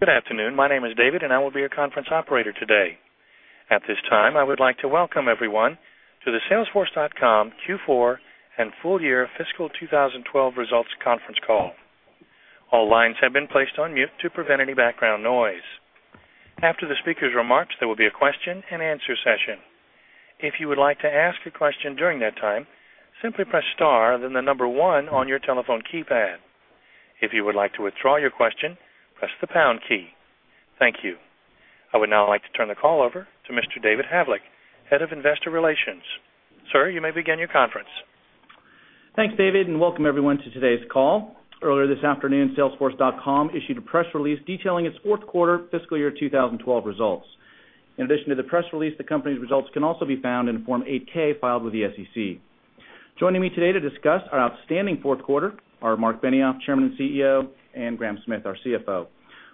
Good afternoon. My name is David, and I will be your conference operator today. At this time, I would like to welcome everyone to the Salesforce.com Q4 and Full-Year Fiscal 2012 Results Conference Call. All lines have been placed on mute to prevent any background noise. After the speakers' remarks, there will be a question and answer session. If you would like to ask a question during that time, simply press star and then the number one on your telephone keypad. If you would like to withdraw your question, press the pound key. Thank you. I would now like to turn the call over to Mr. David Havlek, Head of Investor Relations. Sir, you may begin your conference. Thanks, David, and welcome everyone to today's call. Earlier this afternoon, Salesforce.com issued a press release detailing its fourth quarter fiscal year 2012 results. In addition to the press release, the company's results can also be found in the Form 8-K filed with the SEC. Joining me today to discuss our outstanding fourth quarter are Marc Benioff, Chairman and CEO, and Graham Smith, our CFO.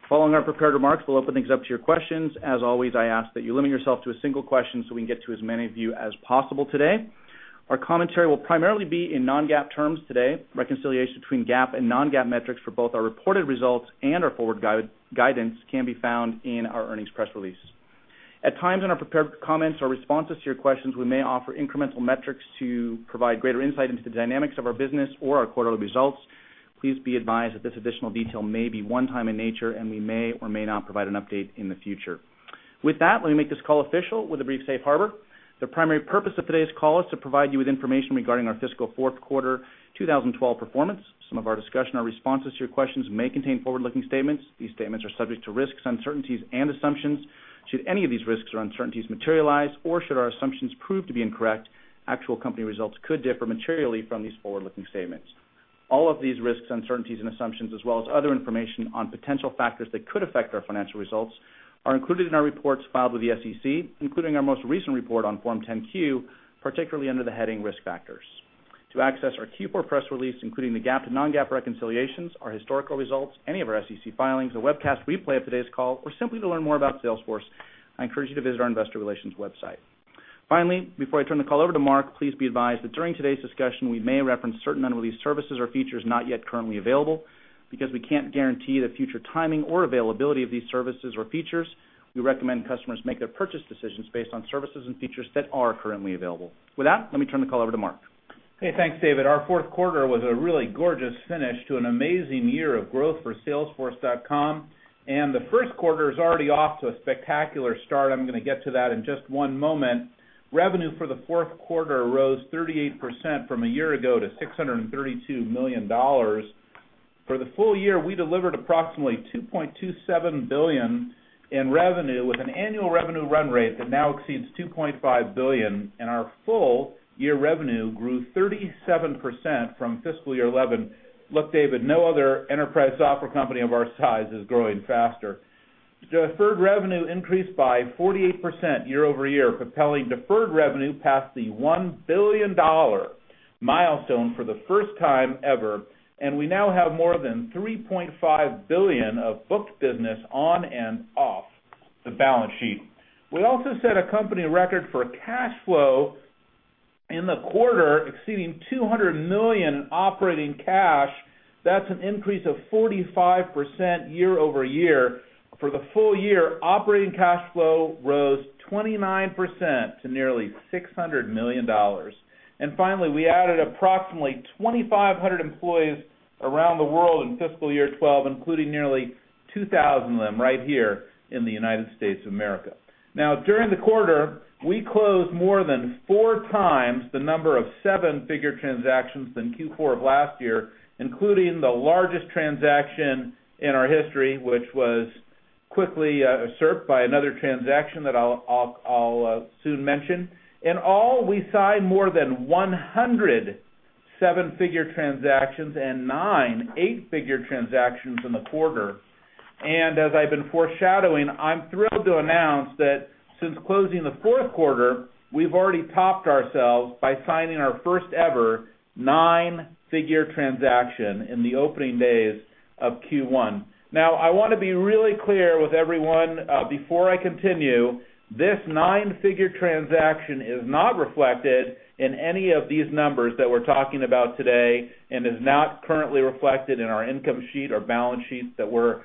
Following our prepared remarks, we'll open things up to your questions. As always, I ask that you limit yourself to a single question so we can get to as many of you as possible today. Our commentary will primarily be in non-GAAP terms today. Reconciliation between GAAP and non-GAAP metrics for both our reported results and our forward guidance can be found in our earnings press release. At times in our prepared comments or responses to your questions, we may offer incremental metrics to provide greater insight into the dynamics of our business or our quarterly results. Please be advised that this additional detail may be one-time in nature and we may or may not provide an update in the future. With that, let me make this call official with a brief safe harbor. The primary purpose of today's call is to provide you with information regarding our fiscal fourth quarter 2012 performance. Some of our discussion or responses to your questions may contain forward-looking statements. These statements are subject to risks, uncertainties, and assumptions. Should any of these risks or uncertainties materialize or should our assumptions prove to be incorrect, actual company results could differ materially from these forward-looking statements. All of these risks, uncertainties, and assumptions, as well as other information on potential factors that could affect our financial results, are included in our reports filed with the SEC, including our most recent report on Form 10-Q, particularly under the heading Risk Factors. To access our Q4 press release, including the GAAP to non-GAAP reconciliations, our historical results, any of our SEC filings, a webcast replay of today's call, or simply to learn more about Salesforce, I encourage you to visit our investor relations website. Finally, before I turn the call over to Marc, please be advised that during today's discussion, we may reference certain amounts of these services or features not yet currently available. Because we can't guarantee the future timing or availability of these services or features, we recommend customers make their purchase decisions based on services and features that are currently available. With that, let me turn the call over to Marc. Hey, thanks, David. Our fourth quarter was a really gorgeous finish to an amazing year of growth for Salesforce.com, and the first quarter is already off to a spectacular start. I'm going to get to that in just one moment. Revenue for the fourth quarter rose 38% from a year ago to $632 million. For the full year, we delivered approximately $2.27 billion in revenue, with an annual revenue run rate that now exceeds $2.5 billion. Our full-year revenue grew 37% from fiscal year 2011. Look, David, no other enterprise software company of our size is growing faster. Deferred revenue increased by 48% year-over-year, propelling deferred revenue past the $1 billion milestone for the first time ever. We now have more than $3.5 billion of booked business on and off the balance sheet. We also set a company record for cash flow in the quarter, exceeding $200 million in operating cash. That's an increase of 45% year-over-year. For the full year, operating cash flow rose 29% to nearly $600 million. Finally, we added approximately 2,500 employees around the world in fiscal year 2012, including nearly 2,000 of them right here in the United States of America. Now, during the quarter, we closed more than four times the number of seven-figure transactions than Q4 of last year, including the largest transaction in our history, which was quickly usurped by another transaction that I'll soon mention. We signed more than 100 seven-figure transactions and nine eight-figure transactions in the quarter. As I've been foreshadowing, I'm thrilled to announce that since closing the fourth quarter, we've already topped ourselves by signing our first ever nine-figure transaction in the opening days of Q1. I want to be really clear with everyone before I continue. This nine-figure transaction is not reflected in any of these numbers that we're talking about today and is not currently reflected in our income statement or balance sheet that we're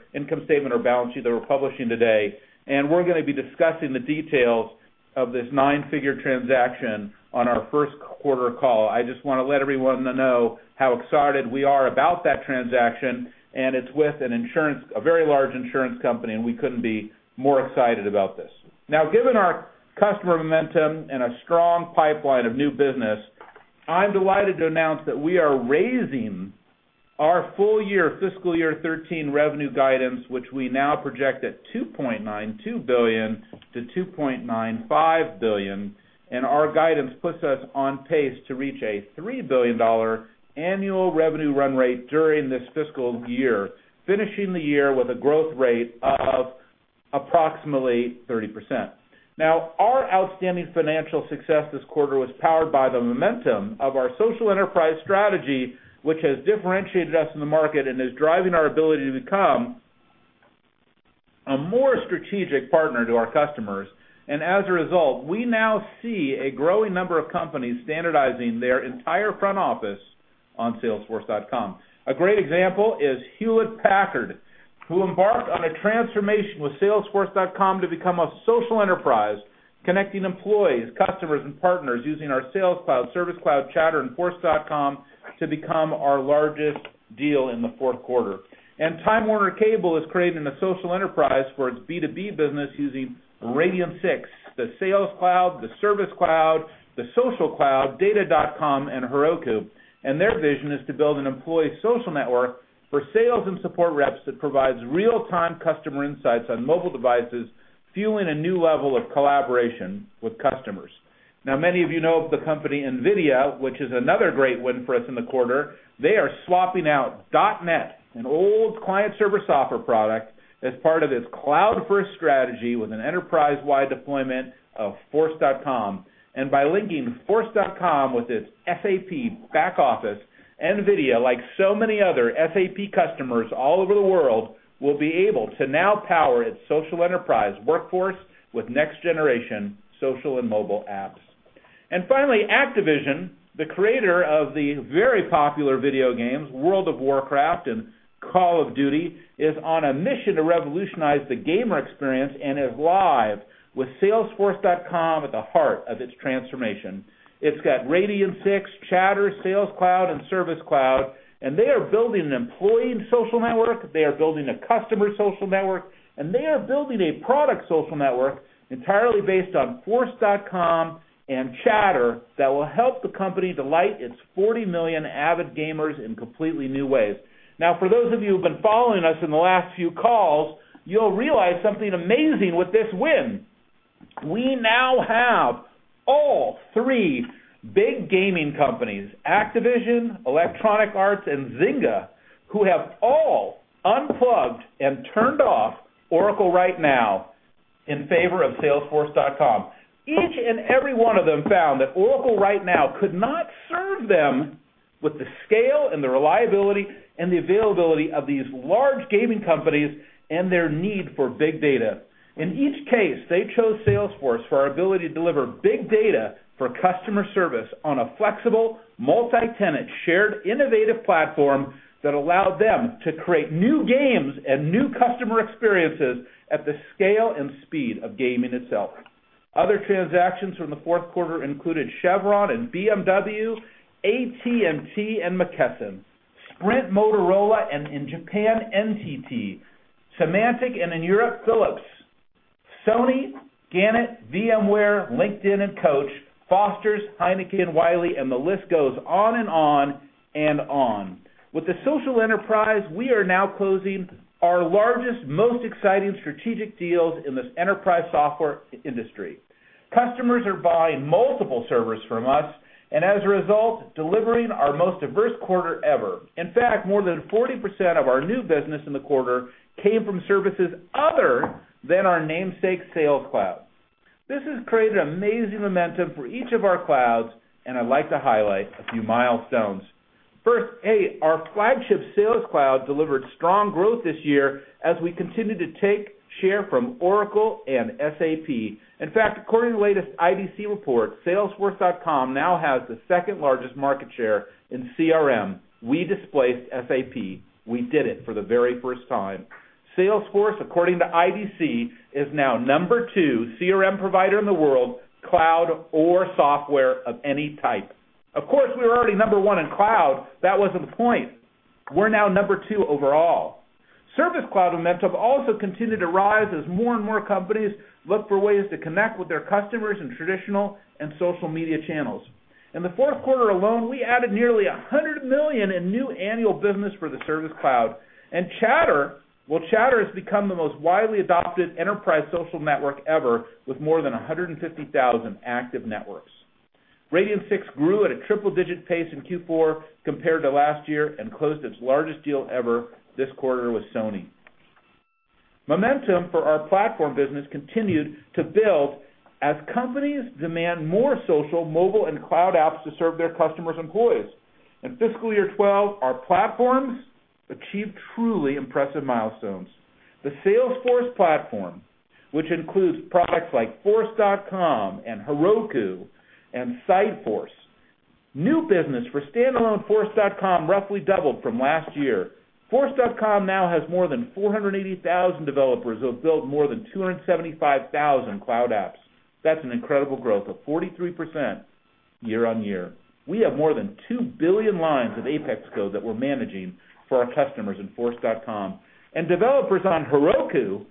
publishing today. We're going to be discussing the details of this nine-figure transaction on our first quarter call. I just want to let everyone know how excited we are about that transaction. It's with a very large insurance company, and we couldn't be more excited about this. Now, given our customer momentum and a strong pipeline of new business, I'm delighted to announce that we are raising our full year, fiscal year 2013 revenue guidance, which we now project at $2.92 billion-$2.95 billion. Our guidance puts us on pace to reach a $3 billion annual revenue run rate during this fiscal year, finishing the year with a growth rate of approximately 30%. Our outstanding financial success this quarter was powered by the momentum of our social enterprise strategy, which has differentiated us in the market and is driving our ability to become a more strategic partner to our customers. As a result, we now see a growing number of companies standardizing their entire front office on Salesforce.com. A great example is Hewlett-Packard, who embarked on a transformation with Salesforce.com to become a social enterprise, connecting employees, customers, and partners using our Sales Cloud, Service Cloud, Chatter, and Force.com to become our largest deal in the fourth quarter. Time Warner Cable is creating a social enterprise for its B2B business using Radian6, the Sales Cloud, the Service Cloud, the Social Cloud, Data.com, and Heroku. Their vision is to build an employee social network for sales and support reps that provides real-time customer insights on mobile devices, fueling a new level of collaboration with customers. Many of you know the company NVIDIA, which is another great win for us in the quarter. They are swapping out .NET, an old client service software product, as part of its cloud-first strategy with an enterprise-wide deployment of Force.com. By linking Force.com with its SAP back office, NVIDIA, like so many other SAP customers all over the world, will be able to now power its social enterprise workforce with next-generation social and mobile apps. Finally, Activision, the creator of the very popular video games, World of Warcraft and Call of Duty, is on a mission to revolutionize the gamer experience and is live with Salesforce.com at the heart of its transformation. It's got Radian6, Chatter, Sales Cloud, and Service Cloud. They are building an employee social network, they are building a customer social network, and they are building a product social network entirely based on Force.com and Chatter that will help the company delight its 40 million avid gamers in completely new ways. For those of you who've been following us in the last few calls, you'll realize something amazing with this win. We now have all three big gaming companies, Activision, Electronic Arts, and Zynga, who have all unplugged and turned off Oracle RightNow in favor of Salesforce.com. Each and every one of them found that Oracle RightNow could not serve them with the scale and the reliability and the availability of these large gaming companies and their need for big data. In each case, they chose Salesforce for our ability to deliver big data for customer service on a flexible, multi-tenant, shared innovative platform that allowed them to create new games and new customer experiences at the scale and speed of gaming itself. Other transactions from the fourth quarter included Chevron and BMW, AT&T and McKesson, Sprint, Motorola and in Japan, NTT; Symantec and in Europe, Philips; Sony, Gannett, VMware, LinkedIn, and Coach; Fosters, Heineken, Wiley, and the list goes on and on and on. With the social enterprise, we are now closing our largest, most exciting strategic deals in this enterprise software industry. Customers are buying multiple servers from us, and as a result, delivering our most diverse quarter ever. In fact, more than 40% of our new business in the quarter came from services other than our namesake Sales Cloud. This has created amazing momentum for each of our clouds, and I'd like to highlight a few milestones. First, our flagship Sales Cloud delivered strong growth this year as we continue to take share from Oracle and SAP. In fact, according to the latest IDC report, Salesforce.com now has the second largest market share in CRM. We displaced SAP, we did it for the very first time. Salesforce, according to IDC, is now number two CRM provider in the world, cloud or software of any type. Of course, we were already number one in cloud, that wasn't the point. We're now number two overall. Service Cloud momentum also continued to rise as more and more companies look for ways to connect with their customers in traditional and social media channels. In the fourth quarter alone, we added nearly $100 million in new annual business for the Service Cloud. Chatter has become the most widely adopted enterprise social network ever, with more than 150,000 active networks. Radian6 grew at a triple-digit pace in Q4 compared to last year and closed its largest deal ever this quarter with Sony. Momentum for our platform business continued to build as companies demand more social, mobile, and cloud apps to serve their customers' employees. In fiscal year 2012, our platforms achieved truly impressive milestones. The Salesforce platform, which includes products like Force.com and Heroku and Siteforce, new business for standalone Force.com roughly doubled from last year. Force.com now has more than 480,000 developers who have built more than 275,000 cloud apps. That's an incredible growth of 43% year-on-year. We have more than 2 billion lines of APEX code that we're managing for our customers in Force.com. Developers on Heroku,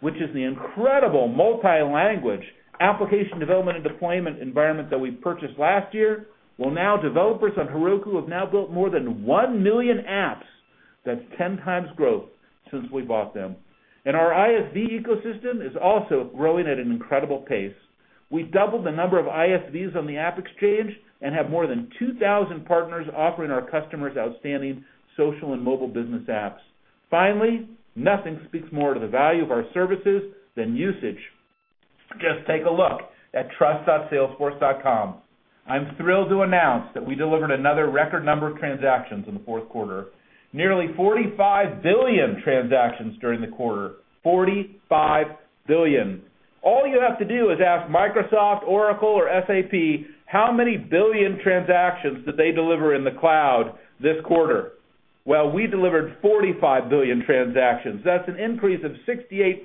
which is the incredible multi-language application development and deployment environment that we purchased last year, now developers on Heroku have now built more than 1 million apps. That's 10 times growth since we bought them. Our ISV ecosystem is also growing at an incredible pace. We doubled the number of ISVs on the AppExchange and have more than 2,000 partners offering our customers outstanding social and mobile business apps. Finally, nothing speaks more to the value of our services than usage. Just take a look at trust.salesforce.com. I'm thrilled to announce that we delivered another record number of transactions in the fourth quarter, nearly 45 billion transactions during the quarter, 45 billion. All you have to do is ask Microsoft, Oracle, or SAP how many billion transactions did they deliver in the cloud this quarter? We delivered 45 billion transactions. That's an increase of 68%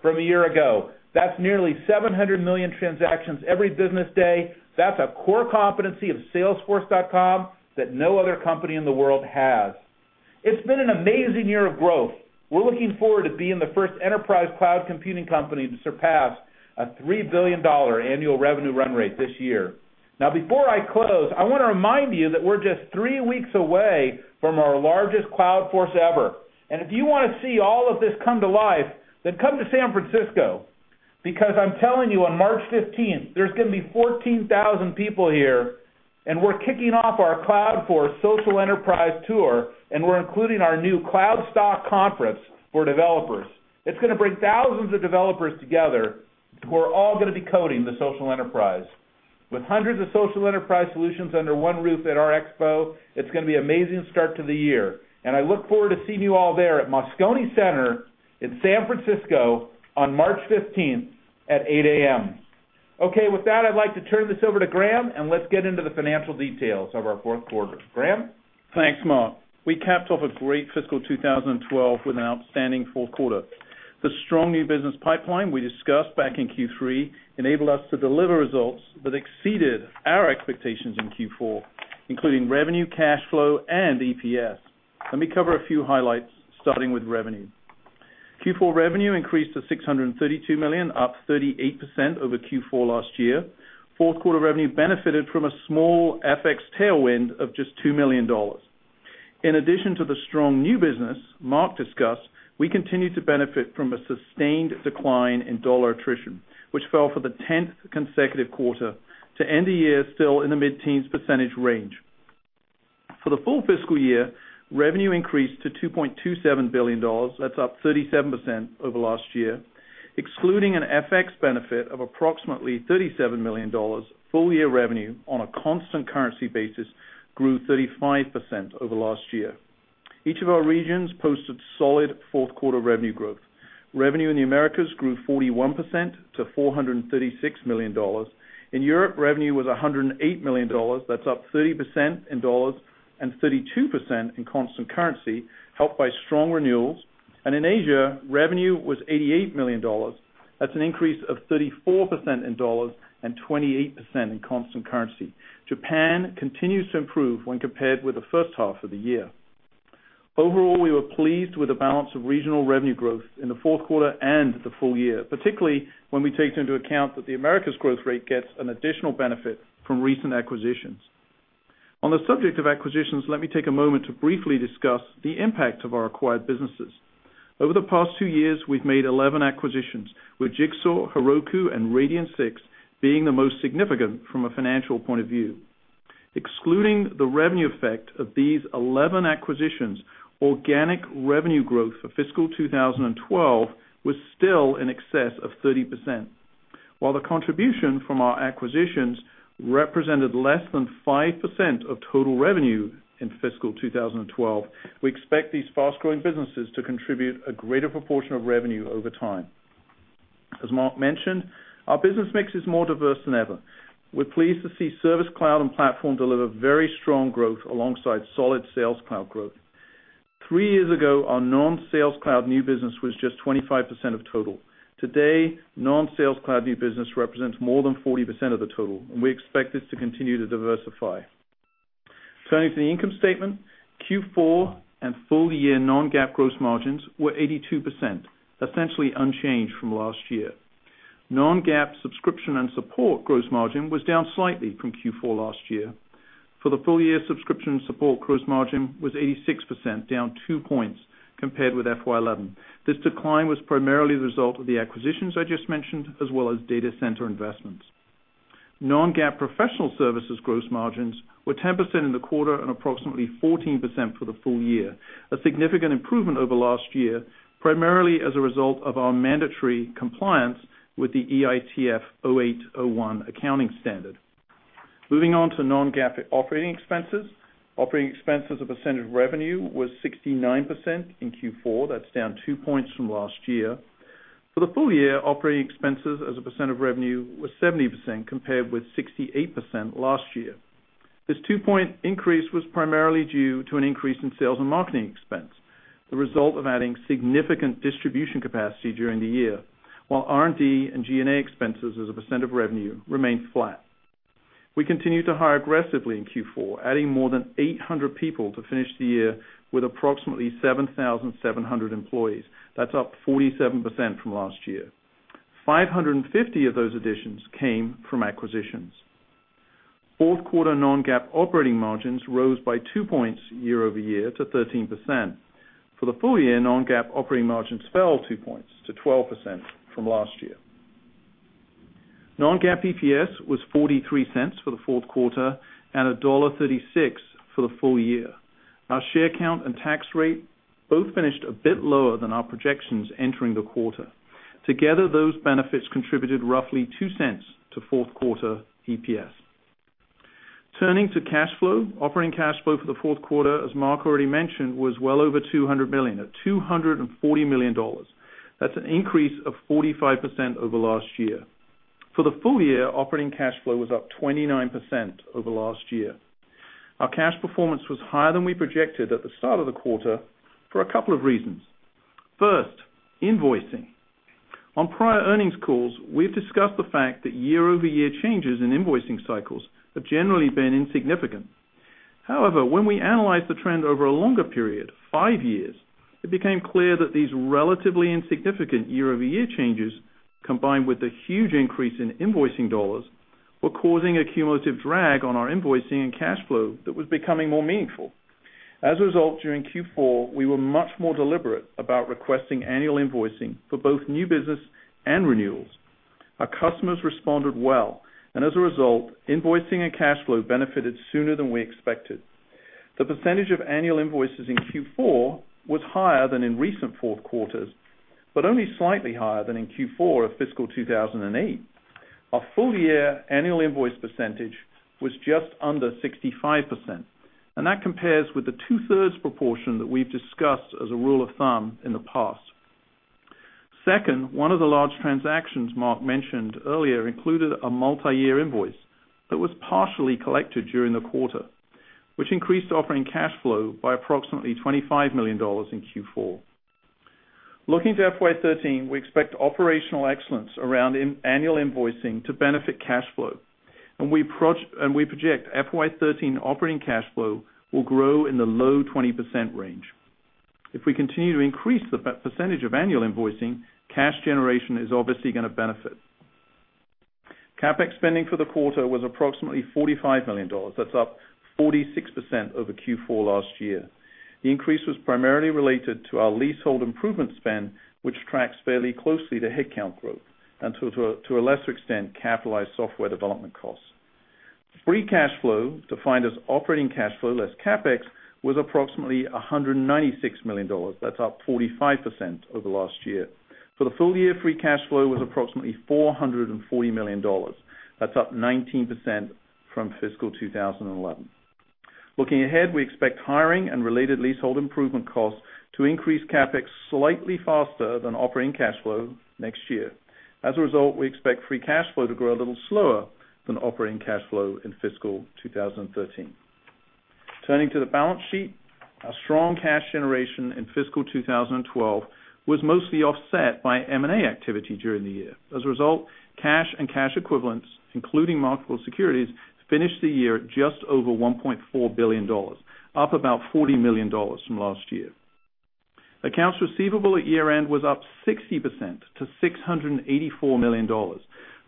from a year ago. That's nearly 700 million transactions every business day. That's a core competency of Salesforce.com that no other company in the world has. It's been an amazing year of growth. We're looking forward to being the first enterprise cloud computing company to surpass a $3 billion annual revenue run rate this year. Now, before I close, I want to remind you that we're just three weeks away from our largest Cloudforce ever. If you want to see all of this come to life, then come to San Francisco, because I'm telling you on March 15, there's going to be 14,000 people here, and we're kicking off our Cloudforce social enterprise tour, and we're including our new cloudStack conference for developers. It's going to bring thousands of developers together who are all going to be coding the social enterprise. With hundreds of social enterprise solutions under one roof at our Expo, it's going to be an amazing start to the year. I look forward to seeing you all there at Moscone Center in San Francisco on March 15 at 8:00 A.M. Okay, with that, I'd like to turn this over to Graham, and let's get into the financial details of our fourth quarter. Graham? Thanks, Marc. We capped off a great fiscal 2012 with an outstanding fourth quarter. The strong new business pipeline we discussed back in Q3 enabled us to deliver results that exceeded our expectations in Q4, including revenue, cash flow, and EPS. Let me cover a few highlights, starting with revenue. Q4 revenue increased to $632 million, up 38% over Q4 last year. Fourth quarter revenue benefited from a small CapEx tailwind of just $2 million. In addition to the strong new business Marc discussed, we continue to benefit from a sustained decline in dollar attrition, which fell for the 10th consecutive quarter to end the year still in the mid-teens percentage range. For the full fiscal year, revenue increased to $2.27 billion. That's up 37% over last year. Excluding an FX benefit of approximately $37 million, full-year revenue on a constant currency basis grew 35% over last year. Each of our regions posted solid fourth quarter revenue growth. Revenue in the Americas grew 41% to $436 million. In Europe, revenue was $108 million. That's up 30% in dollars and 32% in constant currency, helped by strong renewals. In Asia, revenue was $88 million. That's an increase of 34% in dollars and 28% in constant currency. Japan continues to improve when compared with the first half of the year. Overall, we were pleased with the balance of regional revenue growth in the fourth quarter and the full year, particularly when we take into account that the Americas' growth rate gets an additional benefit from recent acquisitions. On the subject of acquisitions, let me take a moment to briefly discuss the impact of our acquired businesses. Over the past two years, we've made 11 acquisitions, with Jigsaw, Heroku, and Radian6 being the most significant from a financial point of view. Excluding the revenue effect of these 11 acquisitions, organic revenue growth for fiscal 2012 was still in excess of 30%. While the contribution from our acquisitions represented less than 5% of total revenue in fiscal 2012, we expect these fast-growing businesses to contribute a greater proportion of revenue over time. As Marc mentioned, our business mix is more diverse than ever. We're pleased to see Service Cloud and Platform deliver very strong growth alongside solid Sales Cloud growth. Three years ago, our non-Sales Cloud new business was just 25% of total. Today, non-Sales Cloud new business represents more than 40% of the total, and we expect this to continue to diversify. Turning to the income statement, Q4 and full-year non-GAAP gross margins were 82%, essentially unchanged from last year. Non-GAAP subscription and support gross margin was down slightly from Q4 last year. For the full year, subscription and support gross margin was 86%, down two points compared with FY 2011. This decline was primarily the result of the acquisitions I just mentioned, as well as data center investments. Non-GAAP professional services gross margins were 10% in the quarter and approximately 14% for the full year, a significant improvement over last year, primarily as a result of our mandatory compliance with the EITF 08-01 accounting standard. Moving on to non-GAAP operating expenses, operating expenses as a percent of revenue was 69% in Q4, down two points from last year. For the full year, operating expenses as a percent of revenue were 70% compared with 68% last year. This two-point increase was primarily due to an increase in sales and marketing expense, the result of adding significant distribution capacity during the year, while R&D and G&A expenses as a percent of revenue remained flat. We continued to hire aggressively in Q4, adding more than 800 people to finish the year with approximately 7,700 employees, up 47% from last year. 550 of those additions came from acquisitions. Fourth quarter non-GAAP operating margins rose by two points year-over-year to 13%. For the full year, non-GAAP operating margins fell two points to 12% from last year. Non-GAAP EPS was $0.43 for the fourth quarter and $1.36 for the full year. Our share count and tax rate both finished a bit lower than our projections entering the quarter. Together, those benefits contributed roughly $0.02 to fourth quarter EPS. Turning to cash flow, operating cash flow for the fourth quarter, as Marc already mentioned, was well over $200 million, at $240 million. That's an increase of 45% over last year. For the full year, operating cash flow was up 29% over last year. Our cash performance was higher than we projected at the start of the quarter for a couple of reasons. First, invoicing. On prior earnings calls, we've discussed the fact that year-over-year changes in invoicing cycles have generally been insignificant. However, when we analyzed the trend over a longer period, five years, it became clear that these relatively insignificant year-over-year changes, combined with the huge increase in invoicing dollars, were causing a cumulative drag on our invoicing and cash flow that was becoming more meaningful. As a result, during Q4, we were much more deliberate about requesting annual invoicing for both new business and renewals. Our customers responded well, and as a result, invoicing and cash flow benefited sooner than we expected. The percentage of annual invoices in Q4 was higher than in recent fourth quarters, but only slightly higher than in Q4 of fiscal 2008. Our full-year annual invoice percentage was just under 65%, and that compares with the two-thirds proportion that we've discussed as a rule of thumb in the past. Second, one of the large transactions Marc mentioned earlier included a multi-year invoice that was partially collected during the quarter, which increased operating cash flow by approximately $25 million in Q4. Looking to FY 2013, we expect operational excellence around annual invoicing to benefit cash flow, and we project FY 2013 operating cash flow will grow in the low 20% range. If we continue to increase the percentage of annual invoicing, cash generation is obviously going to benefit. CapEx spending for the quarter was approximately $45 million. That's up 46% over Q4 last year. The increase was primarily related to our leasehold improvement spend, which tracks fairly closely to headcount growth and to a lesser extent capitalized software development costs. Free cash flow, defined as operating cash flow less CapEx, was approximately $196 million. That's up 45% over the last year. For the full year, free cash flow was approximately $440 million. That's up 19% from fiscal 2011. Looking ahead, we expect hiring and related leasehold improvement costs to increase CapEx slightly faster than operating cash flow next year. As a result, we expect free cash flow to grow a little slower than operating cash flow in fiscal 2013. Turning to the balance sheet, our strong cash generation in fiscal 2012 was mostly offset by M&A activity during the year. As a result, cash and cash equivalents, including multiple securities, finished the year just over $1.4 billion, up about $40 million from last year. Accounts receivable at year-end was up 60% to $684 million,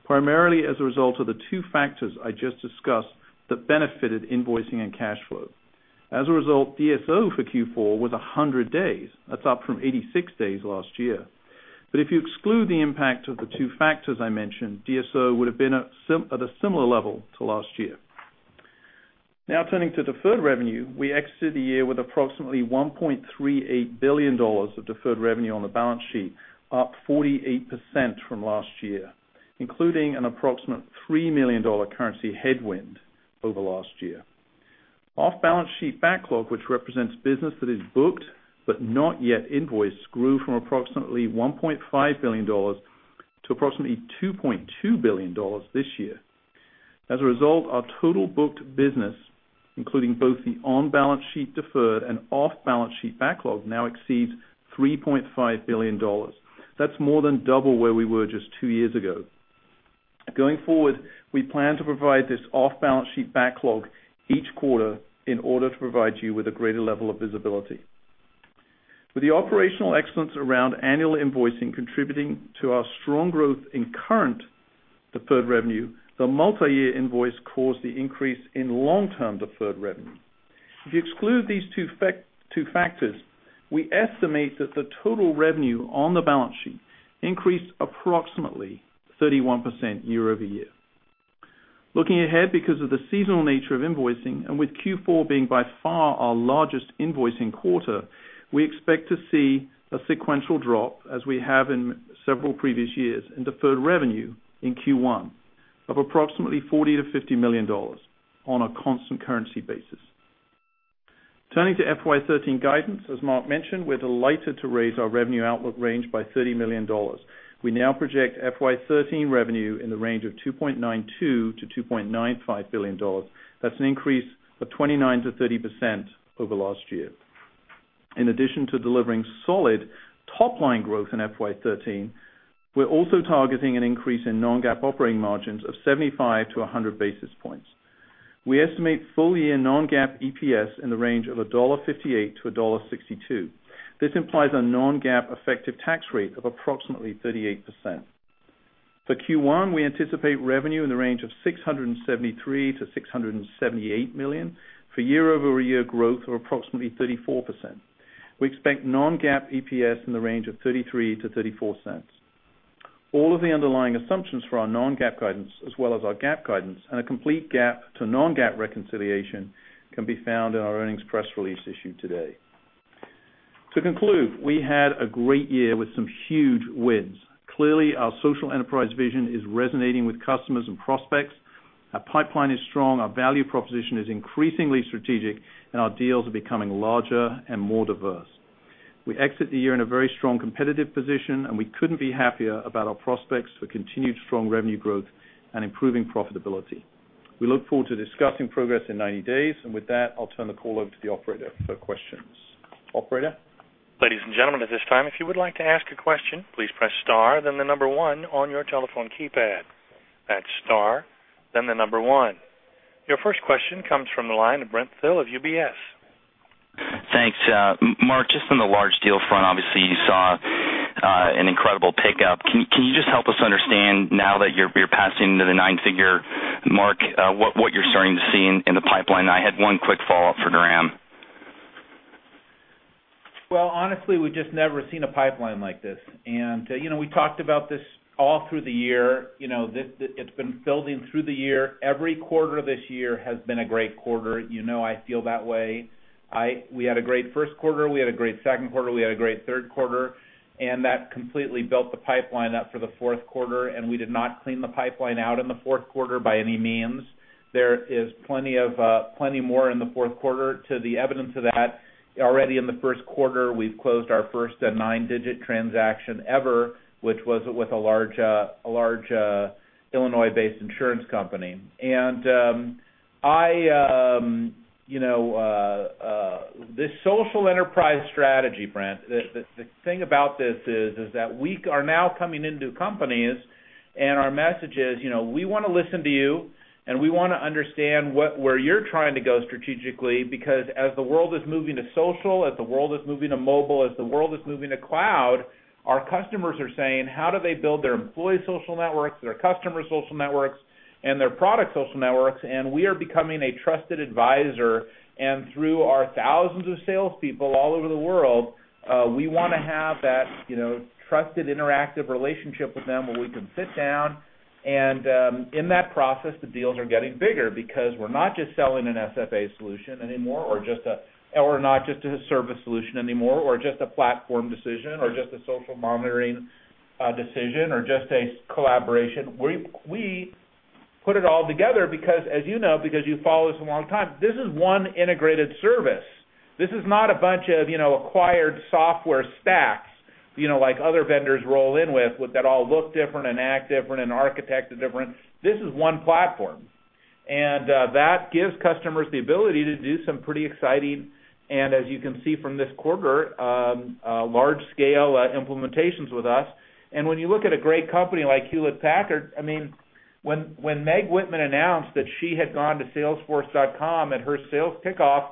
primarily as a result of the two factors I just discussed that benefited invoicing and cash flow. As a result, DSO for Q4 was 100 days. That's up from 86 days last year. If you exclude the impact of the two factors I mentioned, DSO would have been at a similar level to last year. Now, turning to deferred revenue, we exited the year with approximately $1.38 billion of deferred revenue on the balance sheet, up 48% from last year, including an approximate $3 million currency headwind over last year. Off-balance sheet backlog, which represents business that is booked but not yet invoiced, grew from approximately $1.5 billion to approximately $2.2 billion this year. As a result, our total booked business, including both the on-balance sheet deferred and off-balance sheet backlog, now exceeds $3.5 billion. That's more than double where we were just two years ago. Going forward, we plan to provide this off-balance sheet backlog each quarter in order to provide you with a greater level of visibility. With the operational excellence around annual invoicing contributing to our strong growth in current deferred revenue, the multi-year invoice caused the increase in long-term deferred revenue. If you exclude these two factors, we estimate that the total revenue on the balance sheet increased approximately 31% year-over-year. Looking ahead, because of the seasonal nature of invoicing and with Q4 being by far our largest invoicing quarter, we expect to see a sequential drop, as we have in several previous years, in deferred revenue in Q1 of approximately $40 million-$50 million on a constant currency basis. Turning to FY 2013 guidance, as Marc mentioned, we're delighted to raise our revenue outlook range by $30 million. We now project FY 2013 revenue in the range of $2.92 billion-$2.95 billion. That's an increase of 29%-30% over last year. In addition to delivering solid top-line growth in FY 2013, we're also targeting an increase in non-GAAP operating margins of 75 basis points to 100 basis points. We estimate full-year non-GAAP EPS in the range of $1.58-$1.62. This implies a non-GAAP effective tax rate of approximately 38%. For Q1, we anticipate revenue in the range of $673 million-$678 million, for year-over-year growth of approximately 34%. We expect non-GAAP EPS in the range of $0.33-$0.34. All of the underlying assumptions for our non-GAAP guidance, as well as our GAAP guidance, and a complete GAAP to non-GAAP reconciliation can be found in our earnings press release issued today. To conclude, we had a great year with some huge wins. Clearly, our social enterprise vision is resonating with customers and prospects. Our pipeline is strong, our value proposition is increasingly strategic, and our deals are becoming larger and more diverse. We exit the year in a very strong competitive position, and we couldn't be happier about our prospects for continued strong revenue growth and improving profitability. We look forward to discussing progress in 90 days, and with that, I'll turn the call over to the operator for questions. Operator? Ladies and gentlemen, at this time, if you would like to ask a question, please press star then the number one on your telephone keypad. That's star then the number one. Your first question comes from the line of Brent Thill of UBS. Thanks, Marc. Just on the large deal front, obviously, you saw an incredible pickup. Can you just help us understand now that you're passing into the nine-figure mark, what you're starting to see in the pipeline? I had one quick follow-up for Graham. Honestly, we've just never seen a pipeline like this. We talked about this all through the year. It's been filled in through the year. Every quarter this year has been a great quarter. You know I feel that way. We had a great first quarter, we had a great second quarter, we had a great third quarter, and that completely built the pipeline up for the fourth quarter. We did not clean the pipeline out in the fourth quarter by any means. There is plenty more in the fourth quarter to the evidence of that. Already in the first quarter, we've closed our first nine-digit transaction ever, which was with a large Illinois-based insurance company. This social enterprise strategy, Brent, the thing about this is that we are now coming into companies and our message is, we want to listen to you and we want to understand where you're trying to go strategically, because as the world is moving to social, as the world is moving to mobile, as the world is moving to cloud, our customers are saying, how do they build their employee social networks, their customer social networks, and their product social networks? We are becoming a trusted advisor. Through our thousands of salespeople all over the world, we want to have that trusted interactive relationship with them where we can sit down. In that process, the deals are getting bigger because we're not just selling an SFA solution anymore, or not just a service solution anymore, or just a platform decision, or just a social monitoring decision, or just a collaboration. We put it all together because, as you know, because you follow us a long time, this is one integrated service. This is not a bunch of acquired software stacks like other vendors roll in with that all look different and act different and architect different. This is one platform. That gives customers the ability to do some pretty exciting, and as you can see from this quarter, large-scale implementations with us. When you look at a great company like Hewlett-Packard, I mean, when Meg Whitman announced that she had gone to Salesforce.com at her sales kickoff,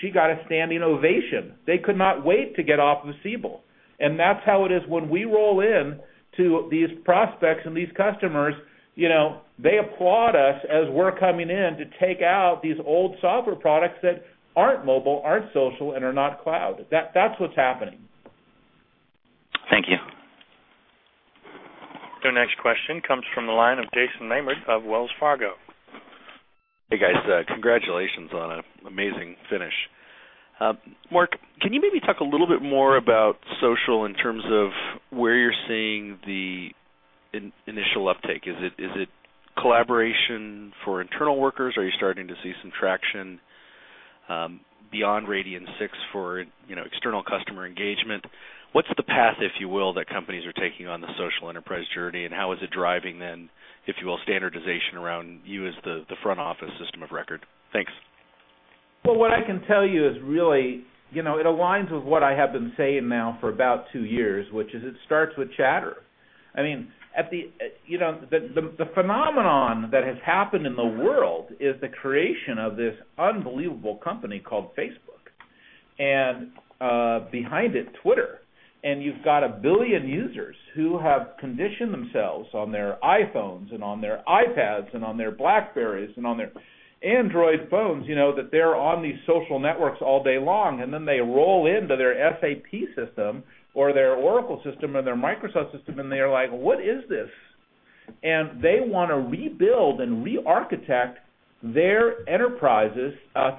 she got a standing ovation. They could not wait to get off the seatbelt. That's how it is when we roll in to these prospects and these customers. They applaud us as we're coming in to take out these old software products that aren't mobile, aren't social, and are not cloud. That's what's happening. Thank you. Our next question comes from the line of Jason Maynard of Wells Fargo. Hey, guys. Congratulations on an amazing finish. Marc, can you maybe talk a little bit more about social in terms of where you're seeing the initial uptake? Is it collaboration for internal workers? Are you starting to see some traction beyond Radian6 for external customer engagement? What's the path, if you will, that companies are taking on the social enterprise journey, and how is it driving, if you will, standardization around you as the front office system of record? Thanks. What I can tell you is really, you know, it aligns with what I have been saying now for about two years, which is it starts with Chatter. I mean, the phenomenon that has happened in the world is the creation of this unbelievable company called Facebook and behind it, Twitter. You've got a billion users who have conditioned themselves on their iPhones and on their iPads and on their BlackBerrys and on their Android phones, you know, that they're on these social networks all day long. They roll into their SAP system or their Oracle system or their Microsoft system, and they're like, what is this? They want to rebuild and re-architect their enterprises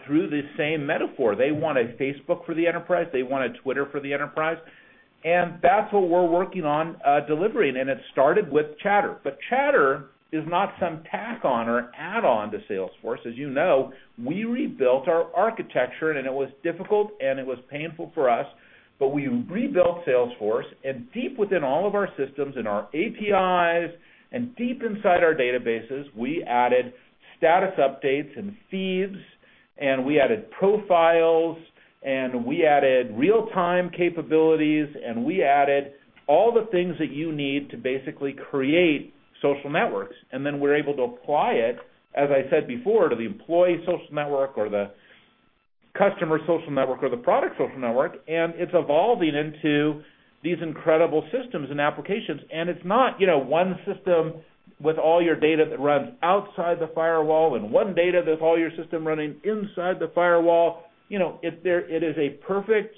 through the same metaphor. They want a Facebook for the enterprise. They want a Twitter for the enterprise. That's what we're working on delivering. It started with Chatter. Chatter is not some tack-on or add-on to Salesforce. As you know, we rebuilt our architecture, and it was difficult and it was painful for us. We rebuilt Salesforce, and deep within all of our systems and our APIs and deep inside our databases, we added status updates and feeds, and we added profiles, and we added real-time capabilities, and we added all the things that you need to basically create social networks. We're able to apply it, as I said before, to the employee social network or the customer social network or the product social network. It's evolving into these incredible systems and applications. It's not one system with all your data that runs outside the firewall and one data that's all your system running inside the firewall. It is a perfect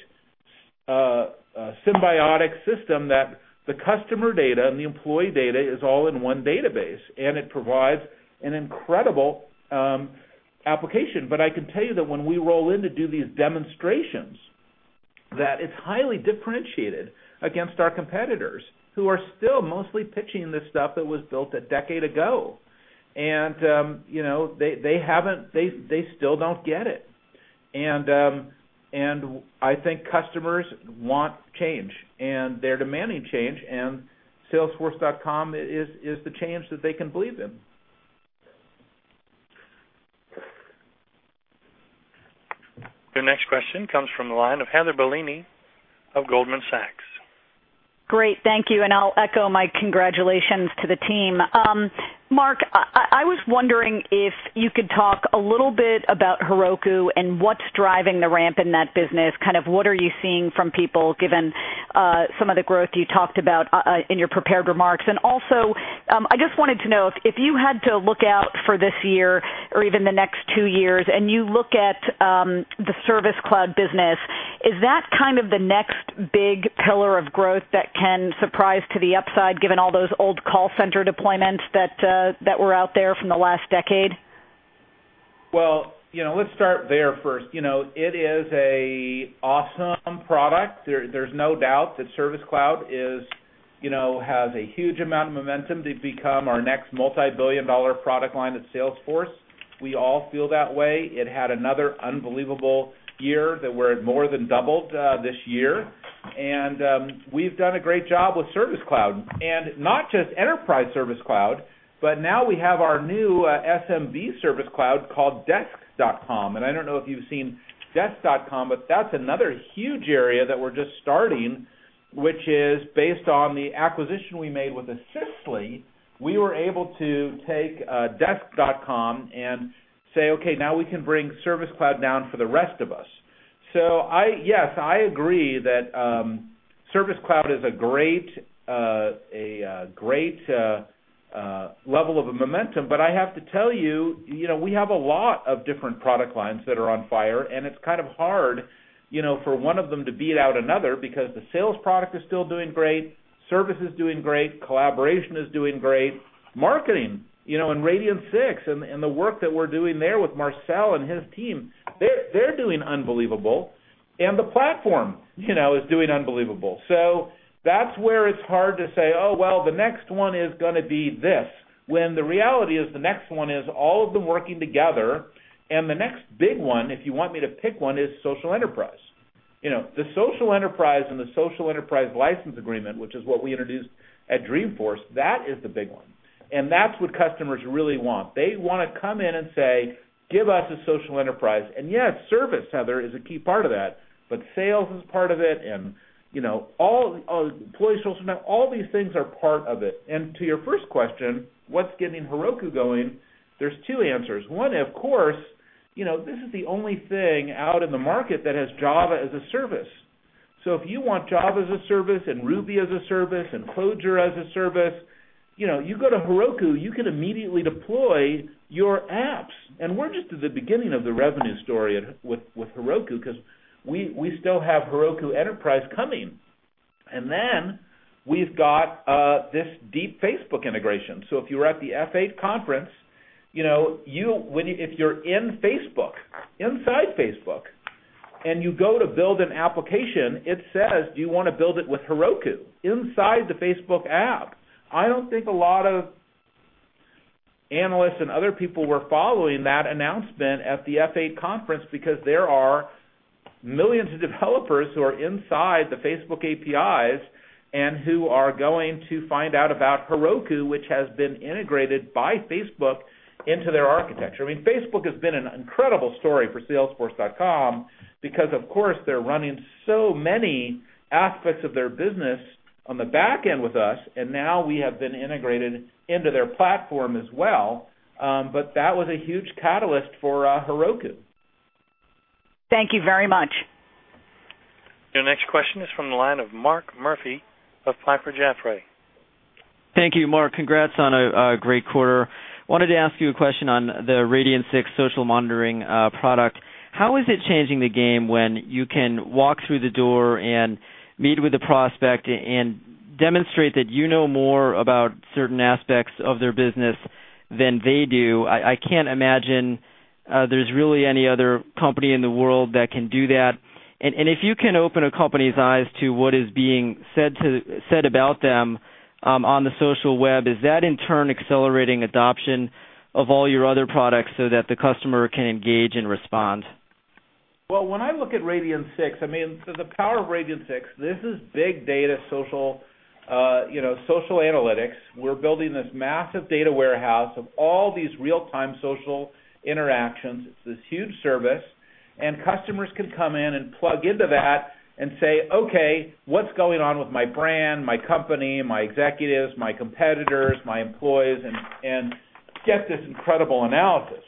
symbiotic system that the customer data and the employee data is all in one database, and it provides an incredible application. I can tell you that when we roll in to do these demonstrations, it's highly differentiated against our competitors who are still mostly pitching this stuff that was built a decade ago. They still don't get it. I think customers want change, and they're demanding change. Salesforce.com is the change that they can believe in. Our next question comes from the line of Heather Bellini of Goldman Sachs. Great, thank you. I'll echo my congratulations to the team. Marc, I was wondering if you could talk a little bit about Heroku and what's driving the ramp in that business. What are you seeing from people given some of the growth you talked about in your prepared remarks? I just wanted to know if you had to look out for this year or even the next two years and you look at the Service Cloud business, is that the next big pillar of growth that can surprise to the upside given all those old call center deployments that were out there from the last decade? It is an awesome product. There's no doubt that Service Cloud has a huge amount of momentum to become our next multi-billion dollar product line at Salesforce. We all feel that way. It had another unbelievable year that we're at more than doubled this year. We've done a great job with Service Cloud, and not just enterprise Service Cloud, but now we have our new SMB Service Cloud called Desk.com. I don't know if you've seen Desk.com, but that's another huge area that we're just starting, which is based on the acquisition we made with Assistly. We were able to take Desk.com and say, okay, now we can bring Service Cloud down for the rest of us. Yes, I agree that Service Cloud is a great level of momentum. I have to tell you, we have a lot of different product lines that are on fire, and it's kind of hard for one of them to beat out another because the sales product is still doing great, service is doing great, collaboration is doing great, marketing in Radian6 and the work that we're doing there with Marcel and his team, they're doing unbelievable. The platform is doing unbelievable. That's where it's hard to say, oh, the next one is going to be this, when the reality is the next one is all of them working together. The next big one, if you want me to pick one, is social enterprise. The social enterprise and the social enterprise license agreement, which is what we introduced at Dreamforce, that is the big one. That's what customers really want. They want to come in and say, give us a social enterprise. Yes, service, Heather, is a key part of that, but sales is part of it. Employee social, all these things are part of it. To your first question, what's getting Heroku going? There are two answers. One, of course, this is the only thing out in the market that has Java as a service. If you want Java as a service and Ruby as a service and [FlowJar] as a service, you go to Heroku, you can immediately deploy your apps. We're just at the beginning of the revenue story with Heroku because we still have Heroku Enterprise coming. We've got this deep Facebook integration. If you were at the F8 conference, if you're in Facebook, inside Facebook, and you go to build an application, it says, do you want to build it with Heroku inside the Facebook app? I don't think a lot of analysts and other people were following that announcement at the F8 conference because there are millions of developers who are inside the Facebook APIs and who are going to find out about Heroku, which has been integrated by Facebook into their architecture. I mean, Facebook has been an incredible story for Salesforce.com because, of course, they're running so many aspects of their business on the back end with us. Now we have been integrated into their platform as well. That was a huge catalyst for Heroku. Thank you very much. Our next question is from the line of Mark Murphy of Piper Jaffray. Thank you, Marc. Congrats on a great quarter. I wanted to ask you a question on the Radian6 social monitoring product. How is it changing the game when you can walk through the door and meet with a prospect and demonstrate that you know more about certain aspects of their business than they do? I can't imagine there's really any other company in the world that can do that. If you can open a company's eyes to what is being said about them on the social web, is that in turn accelerating adoption of all your other products so that the customer can engage and respond? When I look at Radian6, I mean, the power of Radian6, this is big data social analytics. We're building this massive data warehouse of all these real-time social interactions. It's this huge service. Customers can come in and plug into that and say, okay, what's going on with my brand, my company, my executives, my competitors, my employees, and get this incredible analysis.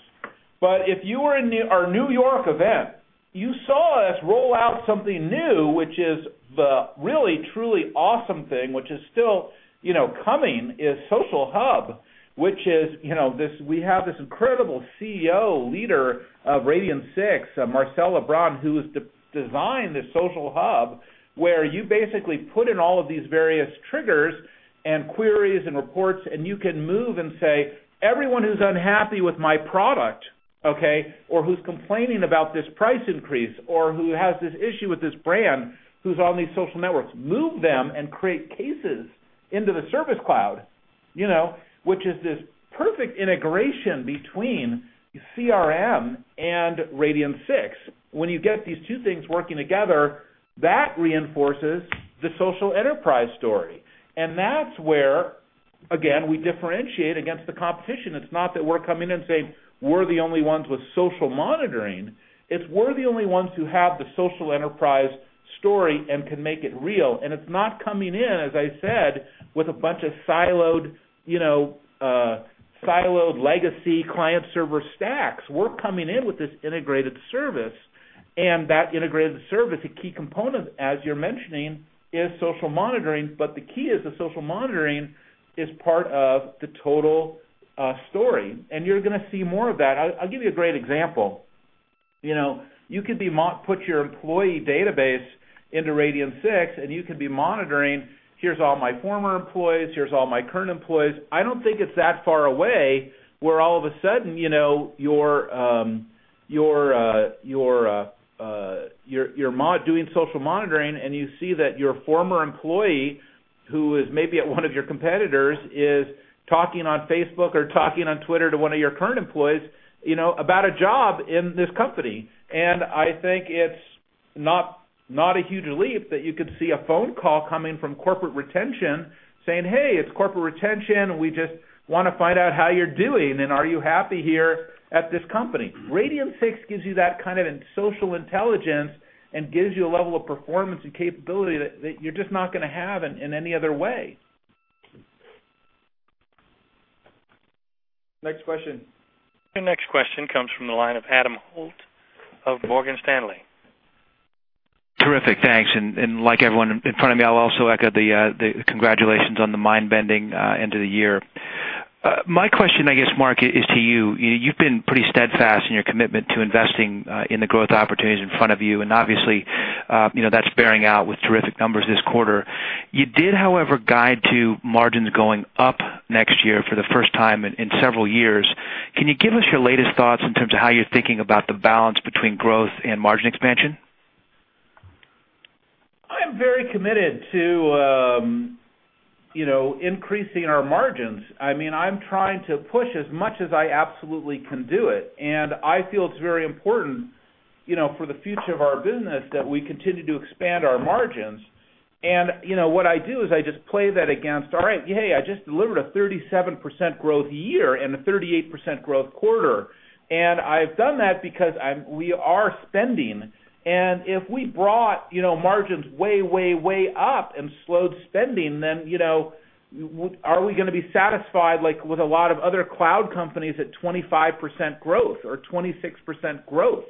If you were in our New York event, you saw us roll out something new, which is the really truly awesome thing, which is still coming, is Social Hub, which is we have this incredible CEO, leader of Radian6, Marcel LeBrun, who has designed this Social Hub where you basically put in all of these various triggers and queries and reports, and you can move and say, everyone who's unhappy with my product, okay, or who's complaining about this price increase, or who has this issue with this brand who's on these social networks, move them and create cases into the Service Cloud, which is this perfect integration between CRM and Radian6. When you get these two things working together, that reinforces the social enterprise story. That's where, again, we differentiate against the competition. It's not that we're coming in and saying, we're the only ones with social monitoring. We're the only ones who have the social enterprise story and can make it real. It's not coming in, as I said, with a bunch of siloed legacy client server stacks. We're coming in with this integrated service. That integrated service, a key component, as you're mentioning, is social monitoring. The key is the social monitoring is part of the total story. You're going to see more of that. I'll give you a great example. You could put your employee database into Radian6, and you could be monitoring, here's all my former employees, here's all my current employees. I don't think it's that far away where all of a sudden you're doing social monitoring and you see that your former employee, who is maybe at one of your competitors, is talking on Facebook or talking on Twitter to one of your current employees about a job in this company. I think it's not a huge leap that you could see a phone call coming from corporate retention saying, hey, it's corporate retention and we just want to find out how you're doing and are you happy here at this company. Radian6 gives you that kind of social intelligence and gives you a level of performance and capability that you're just not going to have in any other way. Next question. Our next question comes from the line of Adam Holt of Morgan Stanley. Terrific, thanks. Like everyone in front of me, I'll also echo the congratulations on the mind-bending end of the year. My question, I guess, Marc, is to you. You've been pretty steadfast in your commitment to investing in the growth opportunities in front of you. Obviously, that's bearing out with terrific numbers this quarter. You did, however, guide to margins going up next year for the first time in several years. Can you give us your latest thoughts in terms of how you're thinking about the balance between growth and margin expansion? I'm very committed to increasing our margins. I mean, I'm trying to push as much as I absolutely can do it. I feel it's very important for the future of our business that we continue to expand our margins. What I do is I just play that against, all right, hey, I just delivered a 37% growth year and a 38% growth quarter. I've done that because we are spending. If we brought margins way, way, way up and slowed spending, then are we going to be satisfied like with a lot of other cloud companies at 25% growth or 26% growth?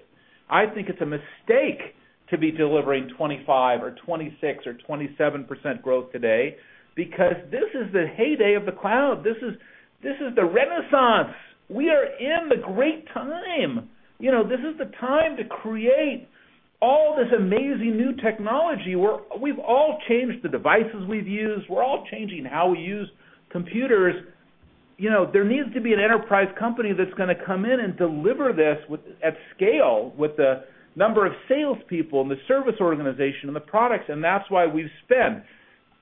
I think it's a mistake to be delivering 25% or 26% or 27% growth today because this is the heyday of the cloud. This is the renaissance. We are in the great time. This is the time to create all this amazing new technology. We've all changed the devices we've used. We're all changing how we use computers. There needs to be an enterprise company that's going to come in and deliver this at scale with the number of salespeople and the service organization and the products. That's why we spend.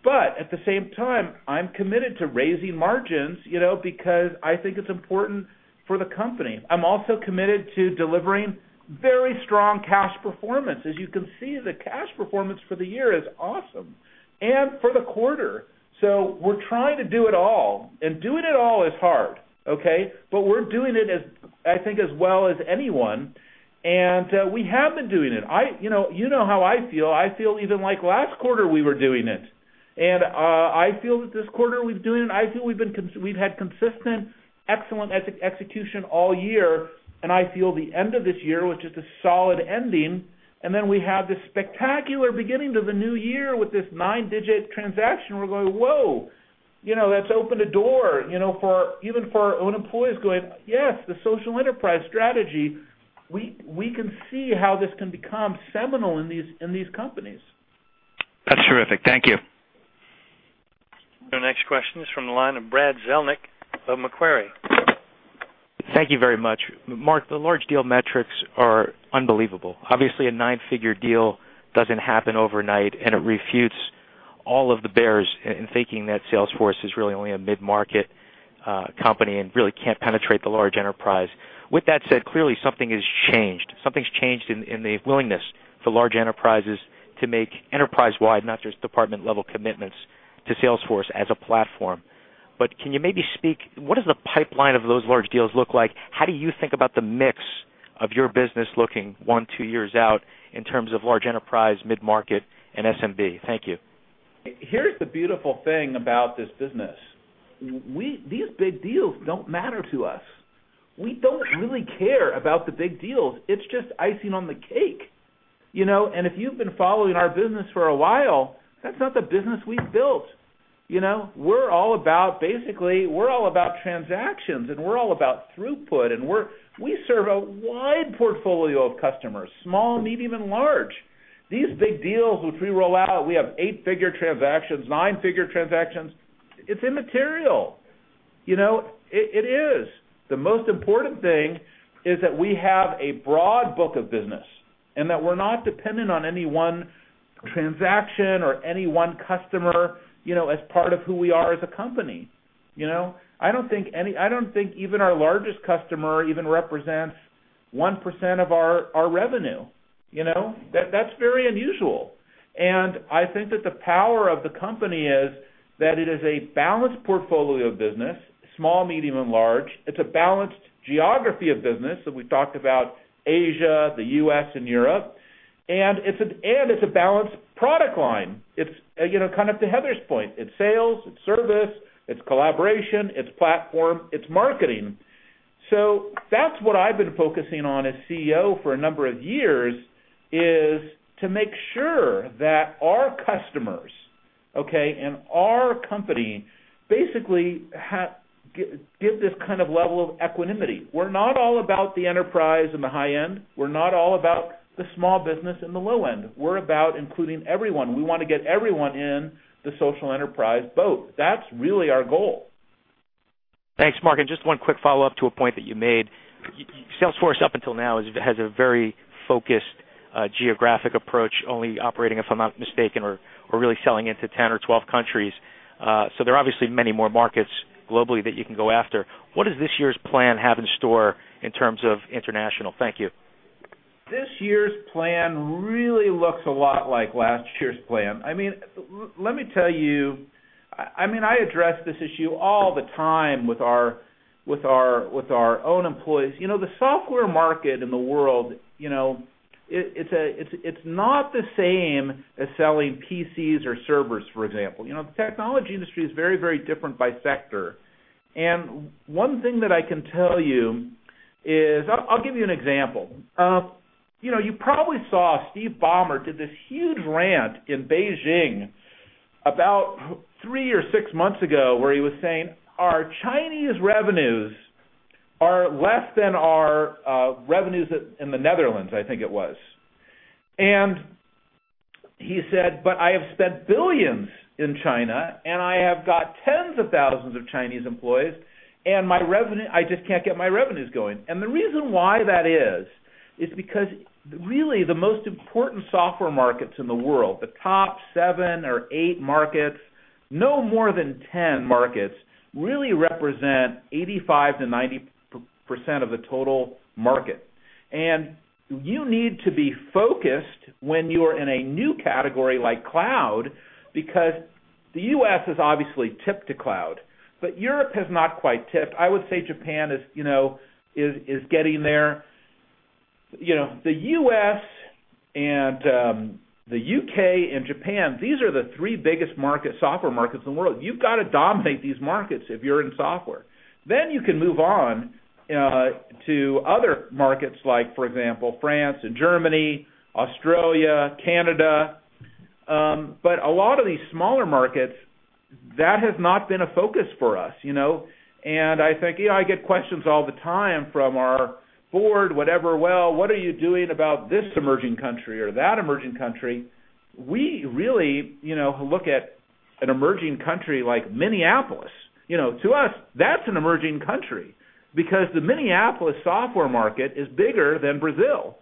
At the same time, I'm committed to raising margins because I think it's important for the company. I'm also committed to delivering very strong cash performance. As you can see, the cash performance for the year is awesome and for the quarter. We're trying to do it all. Doing it all is hard, okay? We're doing it, I think, as well as anyone. We have been doing it. You know how I feel. I feel even like last quarter we were doing it. I feel that this quarter we've been doing it. I feel we've had consistent, excellent execution all year. I feel the end of this year was just a solid ending. We have this spectacular beginning to the new year with this nine-digit transaction. We're going, whoa, you know that's opened a door for even for our own employees going, yes, the social enterprise strategy. We can see how this can become seminal in these companies. That's terrific. Thank you. Our next question is from the line of Brad Zelnick of Macquarie. Thank you very much. Marc, the large deal metrics are unbelievable. Obviously, a nine-figure deal doesn't happen overnight. It refutes all of the bears in thinking that Salesforce is really only a mid-market company and really can't penetrate the large enterprise. With that said, clearly something has changed. Something's changed in the willingness for large enterprises to make enterprise-wide, not just department-level, commitments to Salesforce as a platform. Can you maybe speak, what does the pipeline of those large deals look like? How do you think about the mix of your business looking one, two years out in terms of large enterprise, mid-market, and SMB? Thank you. Here's the beautiful thing about this business. These big deals don't matter to us. We don't really care about the big deals. It's just icing on the cake. If you've been following our business for a while, that's not the business we've built. We're all about transactions, and we're all about throughput. We serve a wide portfolio of customers, small, medium, and large. These big deals, which we roll out, we have eight-figure transactions, nine-figure transactions. It's immaterial. It is. The most important thing is that we have a broad book of business and that we're not dependent on any one transaction or any one customer as part of who we are as a company. I don't think even our largest customer even represents 1% of our revenue. That's very unusual. I think that the power of the company is that it is a balanced portfolio of business, small, medium, and large. It's a balanced geography of business. We've talked about Asia, the U.S., and Europe. It's a balanced product line. Kind of to Heather's point, it's sales, it's service, it's collaboration, it's platform, it's marketing. That's what I've been focusing on as CEO for a number of years, to make sure that our customers and our company basically give this kind of level of equanimity. We're not all about the enterprise and the high end. We're not all about the small business and the low end. We're about including everyone. We want to get everyone in the social enterprise boat. That's really our goal. Thanks, Marc. Just one quick follow-up to a point that you made. Salesforce up until now has a very focused geographic approach, only operating, if I'm not mistaken, or really selling into 10 or 12 countries. There are obviously many more markets globally that you can go after. What does this year's plan have in store in terms of international? Thank you. This year's plan really looks a lot like last year's plan. I address this issue all the time with our own employees. The software market in the world is not the same as selling PCs or servers, for example. The technology industry is very, very different by sector. One thing that I can tell you is I'll give you an example. You probably saw Steve Ballmer did this huge rant in Beijing about three or six months ago where he was saying our Chinese revenues are less than our revenues in the Netherlands, I think it was. He said, I have spent billions in China, and I have got tens of thousands of Chinese employees, and I just can't get my revenues going. The reason why that is is because really the most important software markets in the world, the top seven or eight markets, no more than 10 markets, really represent 85%-90% of the total market. You need to be focused when you are in a new category like cloud because the U.S. is obviously tipped to cloud, but Europe has not quite tipped. I would say Japan is getting there. The U.S. and the U.K. and Japan, these are the three biggest software markets in the world. You've got to dominate these markets if you're in software. You can move on to other markets like, for example, France and Germany, Australia, Canada. A lot of these smaller markets, that has not been a focus for us. I get questions all the time from our board, whatever, what are you doing about this emerging country or that emerging country? We really look at an emerging country like Minneapolis. To us, that's an emerging country because the Minneapolis software market is bigger than Brazil.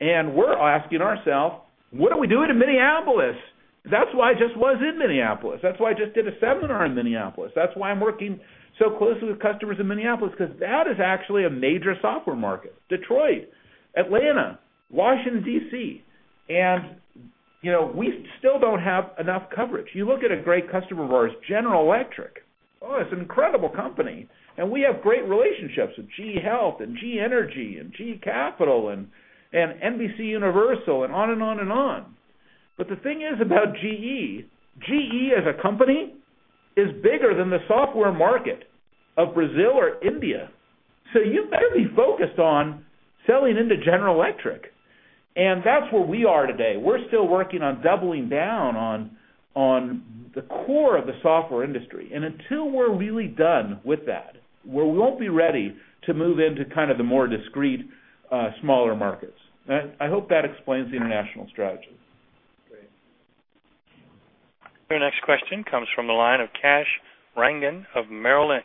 We're asking ourselves, what are we doing in Minneapolis? That's why I just was in Minneapolis. That's why I just did a seminar in Minneapolis. That's why I'm working so closely with customers in Minneapolis, because that is actually a major software market. Detroit, Atlanta, Washington, D.C. We still don't have enough coverage. You look at a great customer of ours, General Electric. It's an incredible company. We have great relationships with GE Health and GE Energy and GE Capital and NBC Universal and on and on and on. The thing is about GE, GE as a company is bigger than the software market of Brazil or India. You better be focused on selling into General Electric. That's where we are today. We're still working on doubling down on the core of the software industry. Until we're really done with that, we won't be ready to move into kind of the more discreet, smaller markets. I hope that explains the international strategy. Great. Our next question comes from the line of Kash Rangan of Merrill Lynch.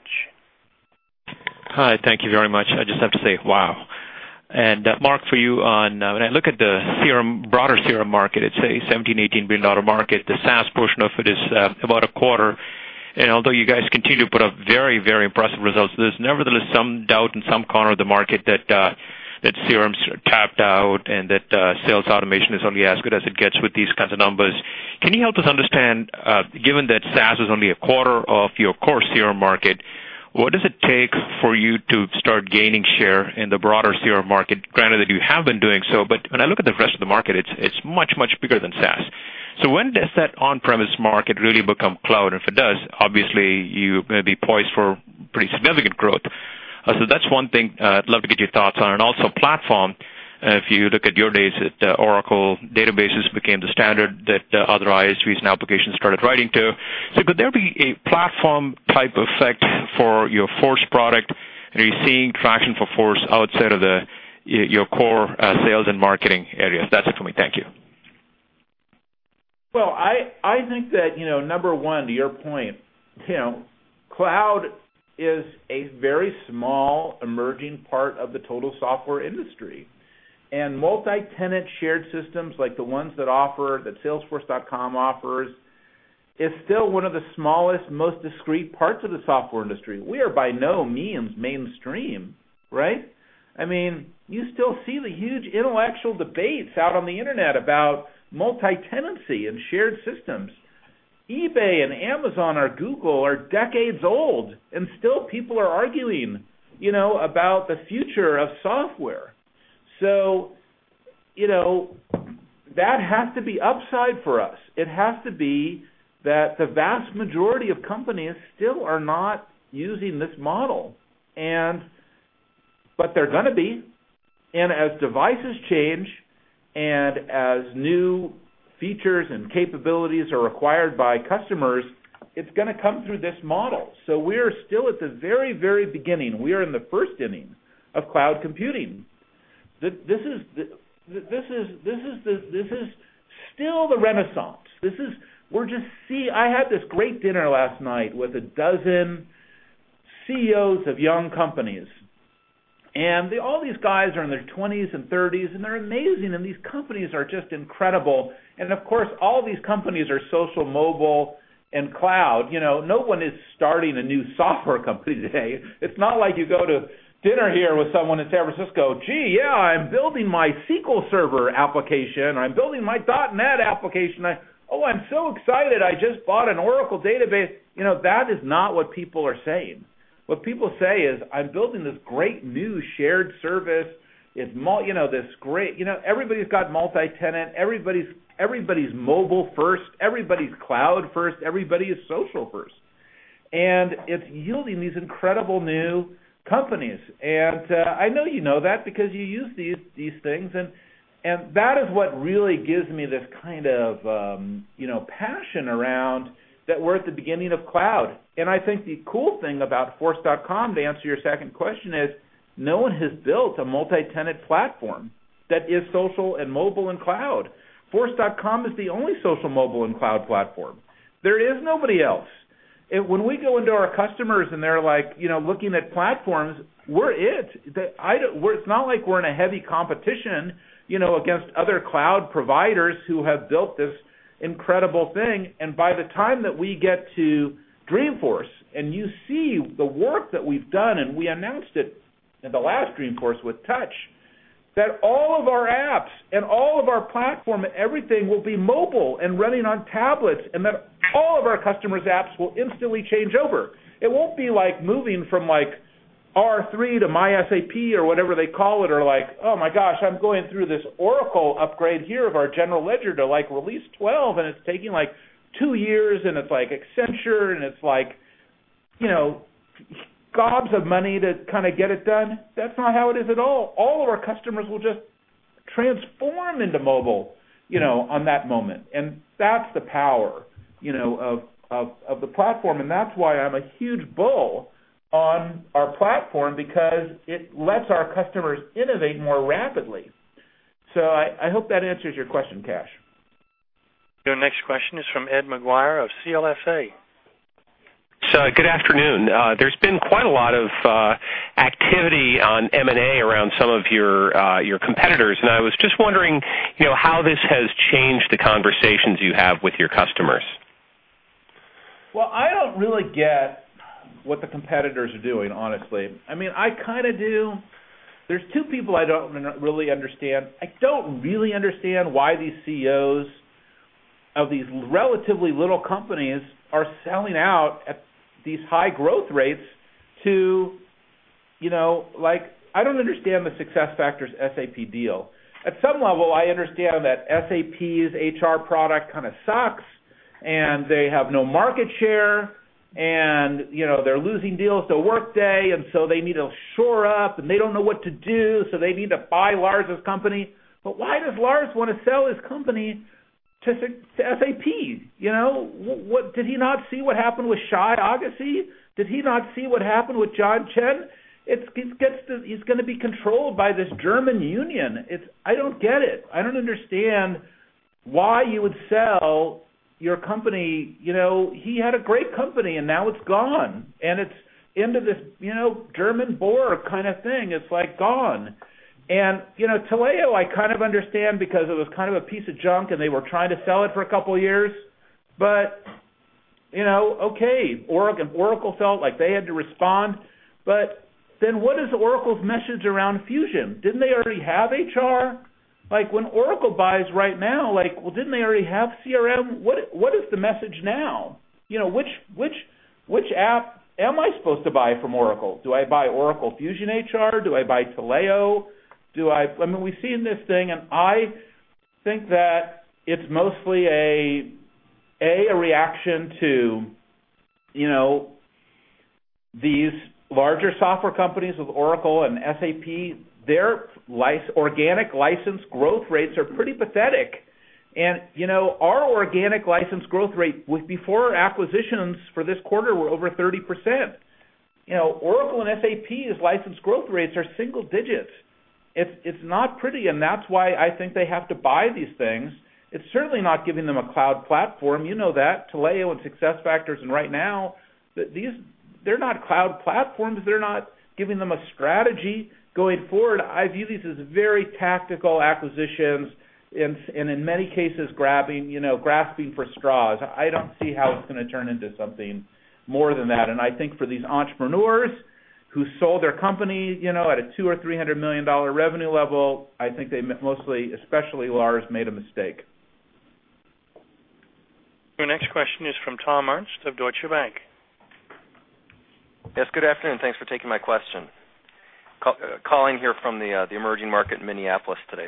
Hi, thank you very much. I just have to say, wow. And Marc, for you on, when I look at the broader CRM market, it's a $17 billion-$18 billion market. The SaaS portion of it is about a quarter. Although you guys continue to put up very, very impressive results, there's nevertheless some doubt in some corner of the market that CRM's tapped out and that sales automation is only as good as it gets with these kinds of numbers. Can you help us understand, given that SaaS is only a quarter of your core CRM market, what does it take for you to start gaining share in the broader CRM market, granted that you have been doing so? When I look at the rest of the market, it's much, much bigger than SaaS. When does that on-premise market really become cloud? If it does, obviously you may be poised for pretty significant growth. That's one thing I'd love to get your thoughts on. Also, platform, if you look at your days at Oracle, databases became the standard that other ISVs and applications started writing to. Could there be a platform type effect for your Force product? Are you seeing traction for Force outside of your core sales and marketing areas? That's it for me. Thank you. I think that, number one, to your point, cloud is a very small emerging part of the total software industry. Multi-tenant shared systems like the ones that Salesforce.com offers are still one of the smallest, most discreet parts of the software industry. We are by no means mainstream, right? I mean, you still see the huge intellectual debates out on the internet about multi-tenancy and shared systems. eBay and Amazon or Google are decades old, and still people are arguing about the future of software. That has to be upside for us. It has to be that the vast majority of companies still are not using this model. They're going to be. As devices change and as new features and capabilities are required by customers, it's going to come through this model. We are still at the very, very beginning. We are in the first inning of cloud computing. This is still the renaissance. I had this great dinner last night with a dozen CEOs of young companies. All these guys are in their 20s and 30s, and they're amazing. These companies are just incredible. Of course, all these companies are social, mobile, and cloud. No one is starting a new software company today. It's not like you go to dinner here with someone in San Francisco. Gee, yeah, I'm building my SQL server application, or I'm building my .NET application. Oh, I'm so excited. I just bought an Oracle database. That is not what people are saying. What people say is, I'm building this great new shared service. It's this great, everybody's got multi-tenant, everybody's mobile first, everybody's cloud first, everybody's social first. It's yielding these incredible new companies. I know you know that because you use these things. That is what really gives me this kind of passion around that we're at the beginning of cloud. I think the cool thing about Force.com, to answer your second question, is no one has built a multi-tenant platform that is social and mobile and cloud. Force.com is the only social, mobile, and cloud platform. There is nobody else. When we go into our customers and they're looking at platforms, we're it. It's not like we're in a heavy competition against other cloud providers who have built this incredible thing. By the time that we get to Dreamforce and you see the work that we've done, and we announced it in the last Dreamforce with Touch, that all of our apps and all of our platform and everything will be mobile and running on tablets, and that all of our customers' apps will instantly change over. It won't be like moving from R3 to MySAP or whatever they call it, or like, oh my gosh, I'm going through this Oracle upgrade here of our general ledger to release 12, and it's taking like two years, and it's like Accenture, and it's like gobs of money to kind of get it done. That's not how it is at all. All of our customers will just transform into mobile on that moment. That's the power of the platform. That's why I'm a huge bull on our platform, because it lets our customers innovate more rapidly. I hope that answers your question, Kash. Our next question is from Ed Maguire of CLSA. Good afternoon. There's been quite a lot of activity on M&A around some of your competitors. I was just wondering how this has changed the conversations you have with your customers. I don't really get what the competitors are doing, honestly. I mean, I kind of do. There are two people I don't really understand. I don't really understand why these CEOs of these relatively little companies are selling out at these high growth rates to, you know, like I don't understand the SuccessFactors SAP deal. At some level, I understand that SAP's HR product kind of sucks, and they have no market share, and they're losing deals to Workday, and they need to shore up, and they don't know what to do, so they need to buy Lars's company. Why does Lars want to sell his company to SAP? Did he not see what happened with Shai Agassi? Did he not see what happened with John Chen? He's going to be controlled by this German union. I don't get it. I don't understand why you would sell your company. He had a great company, and now it's gone. It's into this German Borg kind of thing. It's gone. Taleo, I kind of understand because it was kind of a piece of junk, and they were trying to sell it for a couple of years. Oracle felt like they had to respond. What is Oracle's message around Fusion? Didn't they already have HR? When Oracle buys RightNow, didn't they already have CRM? What is the message now? Which app am I supposed to buy from Oracle? Do I buy Oracle Fusion HR? Do I buy Taleo? We've seen this thing, and I think that it's mostly a reaction to these larger software companies with Oracle and SAP. Their organic license growth rates are pretty pathetic. Our organic license growth rate before acquisitions for this quarter was over 30%. Oracle and SAP's license growth rates are single-digits. It's not pretty, and that's why I think they have to buy these things. It's certainly not giving them a cloud platform. You know that. Taleo and SuccessFactors and RightNow, they're not cloud platforms. They're not giving them a strategy going forward. I view these as very tactical acquisitions, and in many cases, grasping for straws. I don't see how it's going to turn into something more than that. I think for these entrepreneurs who sold their company at a $200 million or $300 million revenue level, I think they mostly, especially Lars, made a mistake. Our next question is from Tom Ernst of Deutsche Bank. Yes, good afternoon. Thanks for taking my question. Calling here from the emerging market in Minneapolis today.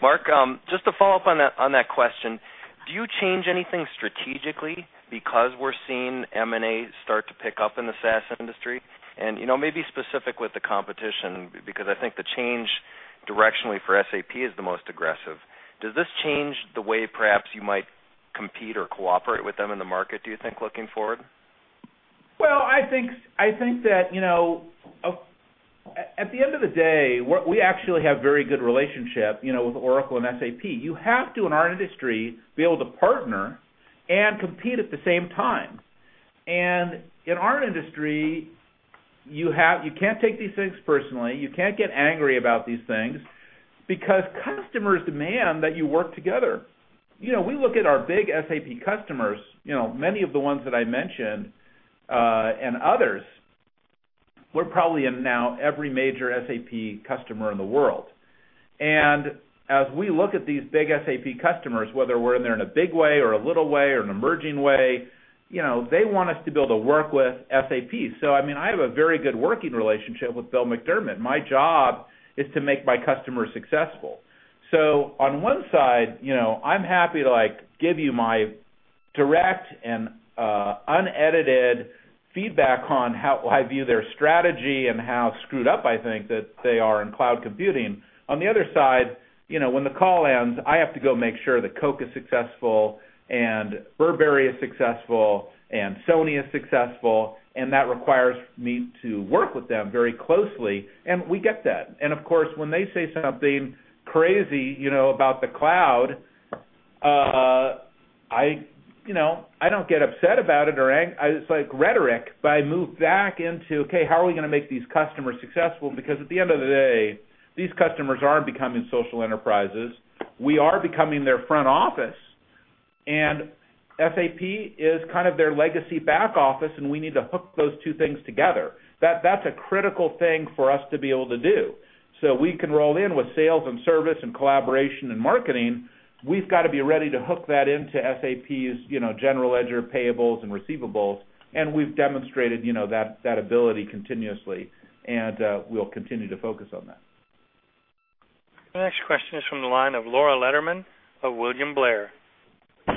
Marc, just to follow up on that question, do you change anything strategically because we're seeing M&A start to pick up in the SaaS industry? Maybe specific with the competition, because I think the change directionally for SAP is the most aggressive. Does this change the way perhaps you might compete or cooperate with them in the market, do you think, looking forward? I think that at the end of the day, we actually have a very good relationship with Oracle and SAP. You have to, in our industry, be able to partner and compete at the same time. In our industry, you can't take these things personally. You can't get angry about these things because customers demand that you work together. We look at our big SAP customers, many of the ones that I mentioned, and others. We're probably now every major SAP customer in the world. As we look at these big SAP customers, whether we're in there in a big way or a little way or an emerging way, they want us to be able to work with SAP. I have a very good working relationship with Bill McDermott. My job is to make my customers successful. On one side, I'm happy to give you my direct and unedited feedback on how I view their strategy and how screwed up I think that they are in cloud computing. On the other side, when the call ends, I have to go make sure that Coke is successful and Burberry is successful and Sony is successful. That requires me to work with them very closely. We get that. Of course, when they say something crazy about the cloud, I don't get upset about it or it's like rhetoric, but I move back into, okay, how are we going to make these customers successful? At the end of the day, these customers aren't becoming social enterprises. We are becoming their front office. SAP is kind of their legacy back office, and we need to hook those two things together. That's a critical thing for us to be able to do. We can roll in with sales and service and collaboration and marketing. We've got to be ready to hook that into SAP's general ledger, payables, and receivables. We've demonstrated that ability continuously, and we'll continue to focus on that. Our next question is from the line of Laura Lederman of William Blair.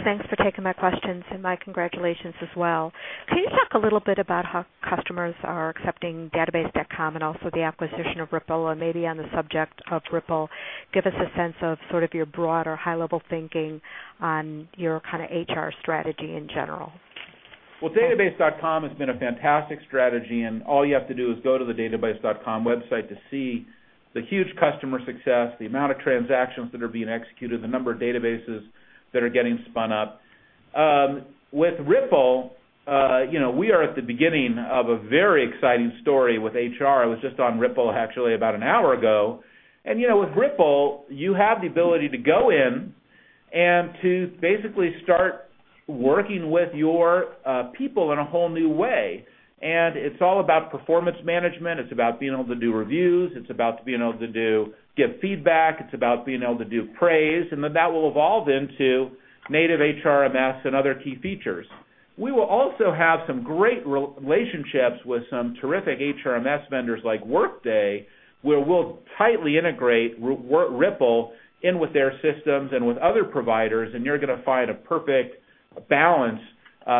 Thanks for taking my questions and my congratulations as well. Can you talk a little bit about how customers are accepting database.com and also the acquisition of Ripple? Maybe on the subject of Ripple, give us a sense of sort of your broad or high-level thinking on your kind of HR strategy in general. Database.com has been a fantastic strategy, and all you have to do is go to the database.com website to see the huge customer success, the amount of transactions that are being executed, the number of databases that are getting spun up. With Ripple, we are at the beginning of a very exciting story with HR. I was just on Ripple actually about an hour ago. With Ripple, you have the ability to go in and to basically start working with your people in a whole new way. It's all about performance management. It's about being able to do reviews. It's about being able to give feedback. It's about being able to do praise. That will evolve into native HRMS and other key features. We will also have some great relationships with some terrific HRMS vendors like Workday, where we'll tightly integrate Ripple in with their systems and with other providers. You're going to find a perfect balance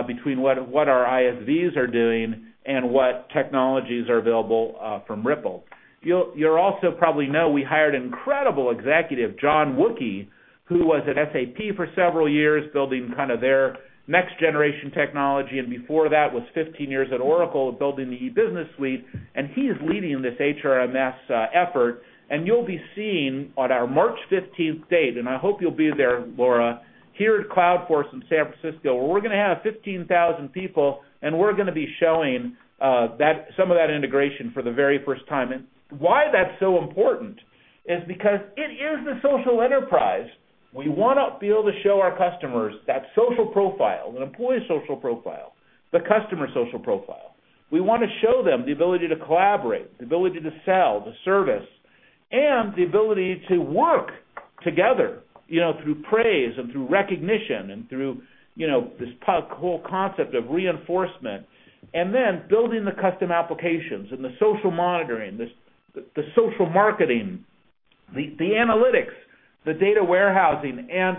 between what our ISVs are doing and what technologies are available from Ripple. You'll also probably know we hired an incredible executive, John Wookey, who was at SAP for several years, building kind of their next-generation technology. Before that was 15 years at Oracle building the e-business suite. He's leading this HRMS effort. You'll be seeing on our March 15 date, and I hope you'll be there, Laura, here at Cloudforce in San Francisco, where we're going to have 15,000 people, and we're going to be showing some of that integration for the very first time. Why that's so important is because it is the social enterprise. We want to be able to show our customers that social profile, the employee social profile, the customer social profile. We want to show them the ability to collaborate, the ability to sell, to service, and the ability to work together through praise and through recognition and through this whole concept of reinforcement. Then building the custom applications and the social monitoring, the social marketing, the analytics, the data warehousing, and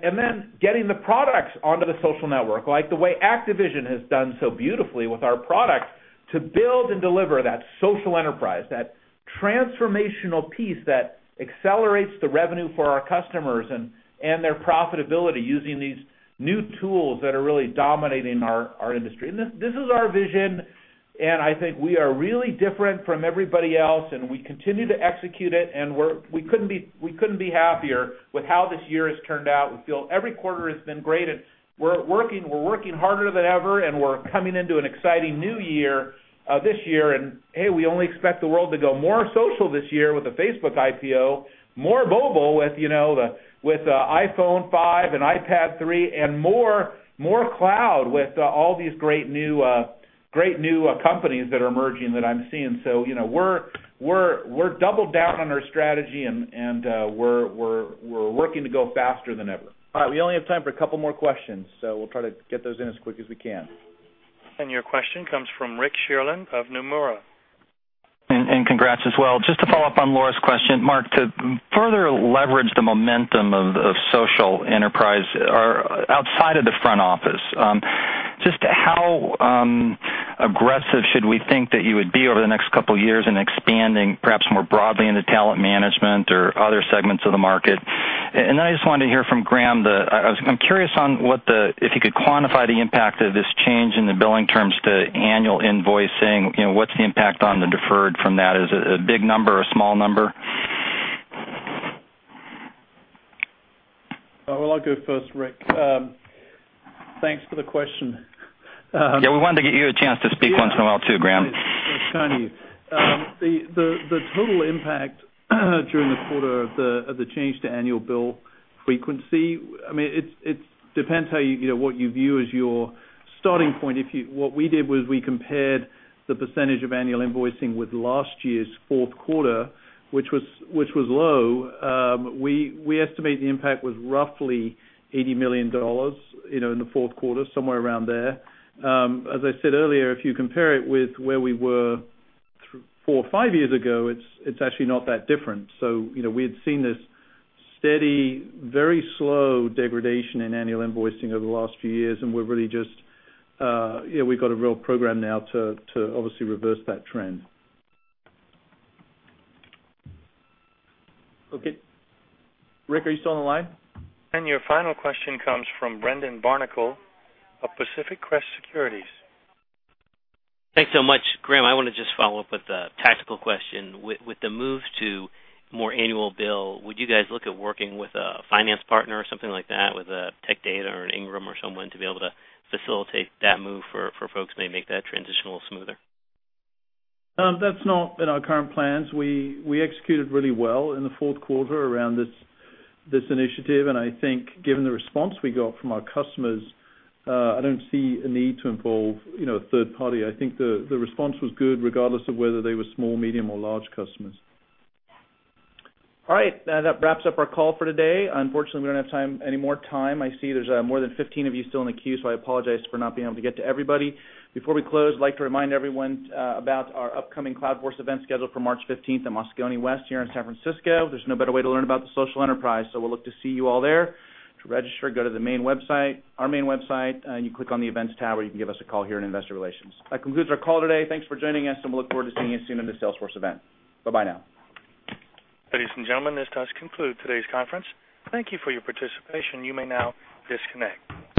then getting the products onto the social network, like the way Activision has done so beautifully with our products to build and deliver that social enterprise, that transformational piece that accelerates the revenue for our customers and their profitability using these new tools that are really dominating our industry. This is our vision. I think we are really different from everybody else, and we continue to execute it. We couldn't be happier with how this year has turned out. We feel every quarter has been great, we're working harder than ever, and we're coming into an exciting new year this year. We only expect the world to go more social this year with the Facebook IPO, more mobile with iPhone 5 and iPad 3, and more cloud with all these great new companies that are emerging that I'm seeing. We've doubled down on our strategy, and we're working to go faster than ever. We only have time for a couple more questions, so we'll try to get those in as quick as we can. Your question comes from Rick Sherlund of Nomura. Congratulations as well. Just to follow up on Laura's question, Marc, to further leverage the momentum of social enterprise outside of the front office, how aggressive should we think that you would be over the next couple of years in expanding perhaps more broadly into talent management or other segments of the market? I just wanted to hear from Graham. I'm curious, if you could quantify the impact of this change in the billing terms to annual invoicing, what's the impact on the deferred from that? Is it a big number or a small number? I'll go first, Rick. Thanks for the question. Yeah, we wanted to get you a chance to speak once in a while too, Graham. Thanks, [Tony]. The total impact during the quarter of the change to annual bill frequency, I mean, it depends on what you view as your starting point. What we did was we compared the percentage of annual invoicing with last year's fourth quarter, which was low. We estimate the impact was roughly $80 million in the fourth quarter, somewhere around there. As I said earlier, if you compare it with where we were four or five years ago, it's actually not that different. We had seen this steady, very slow degradation in annual invoicing over the last few years, and we've got a real program now to obviously reverse that trend. Okay. Rick, are you still on the line? Your final question comes from Brendan Barnicle of Pacific Crest Securities. Thanks so much. Graham, I want to just follow up with a tactical question. With the move to more annual bill, would you guys look at working with a finance partner or something like that, with a Tech Data or an Ingram or someone to be able to facilitate that move for folks and maybe make that transition a little smoother? That's not in our current plans. We executed really well in the fourth quarter around this initiative, and I think given the response we got from our customers, I don't see a need to involve a third party. I think the response was good regardless of whether they were small, medium, or large customers. All right. That wraps up our call for today. Unfortunately, we don't have any more time. I see there's more than 15 of you still in the queue, so I apologize for not being able to get to everybody. Before we close, I'd like to remind everyone about our upcoming Cloudforce event scheduled for March 15 at Moscone West here in San Francisco. There's no better way to learn about the social enterprise, so we'll look to see you all there. To register, go to our main website and you click on the Events tab, or you can give us a call here in Investor Relations. That concludes our call today. Thanks for joining us, and we look forward to seeing you soon at the Salesforce event. Bye-bye now. Ladies and gentlemen, this does conclude today's conference. Thank you for your participation. You may now disconnect.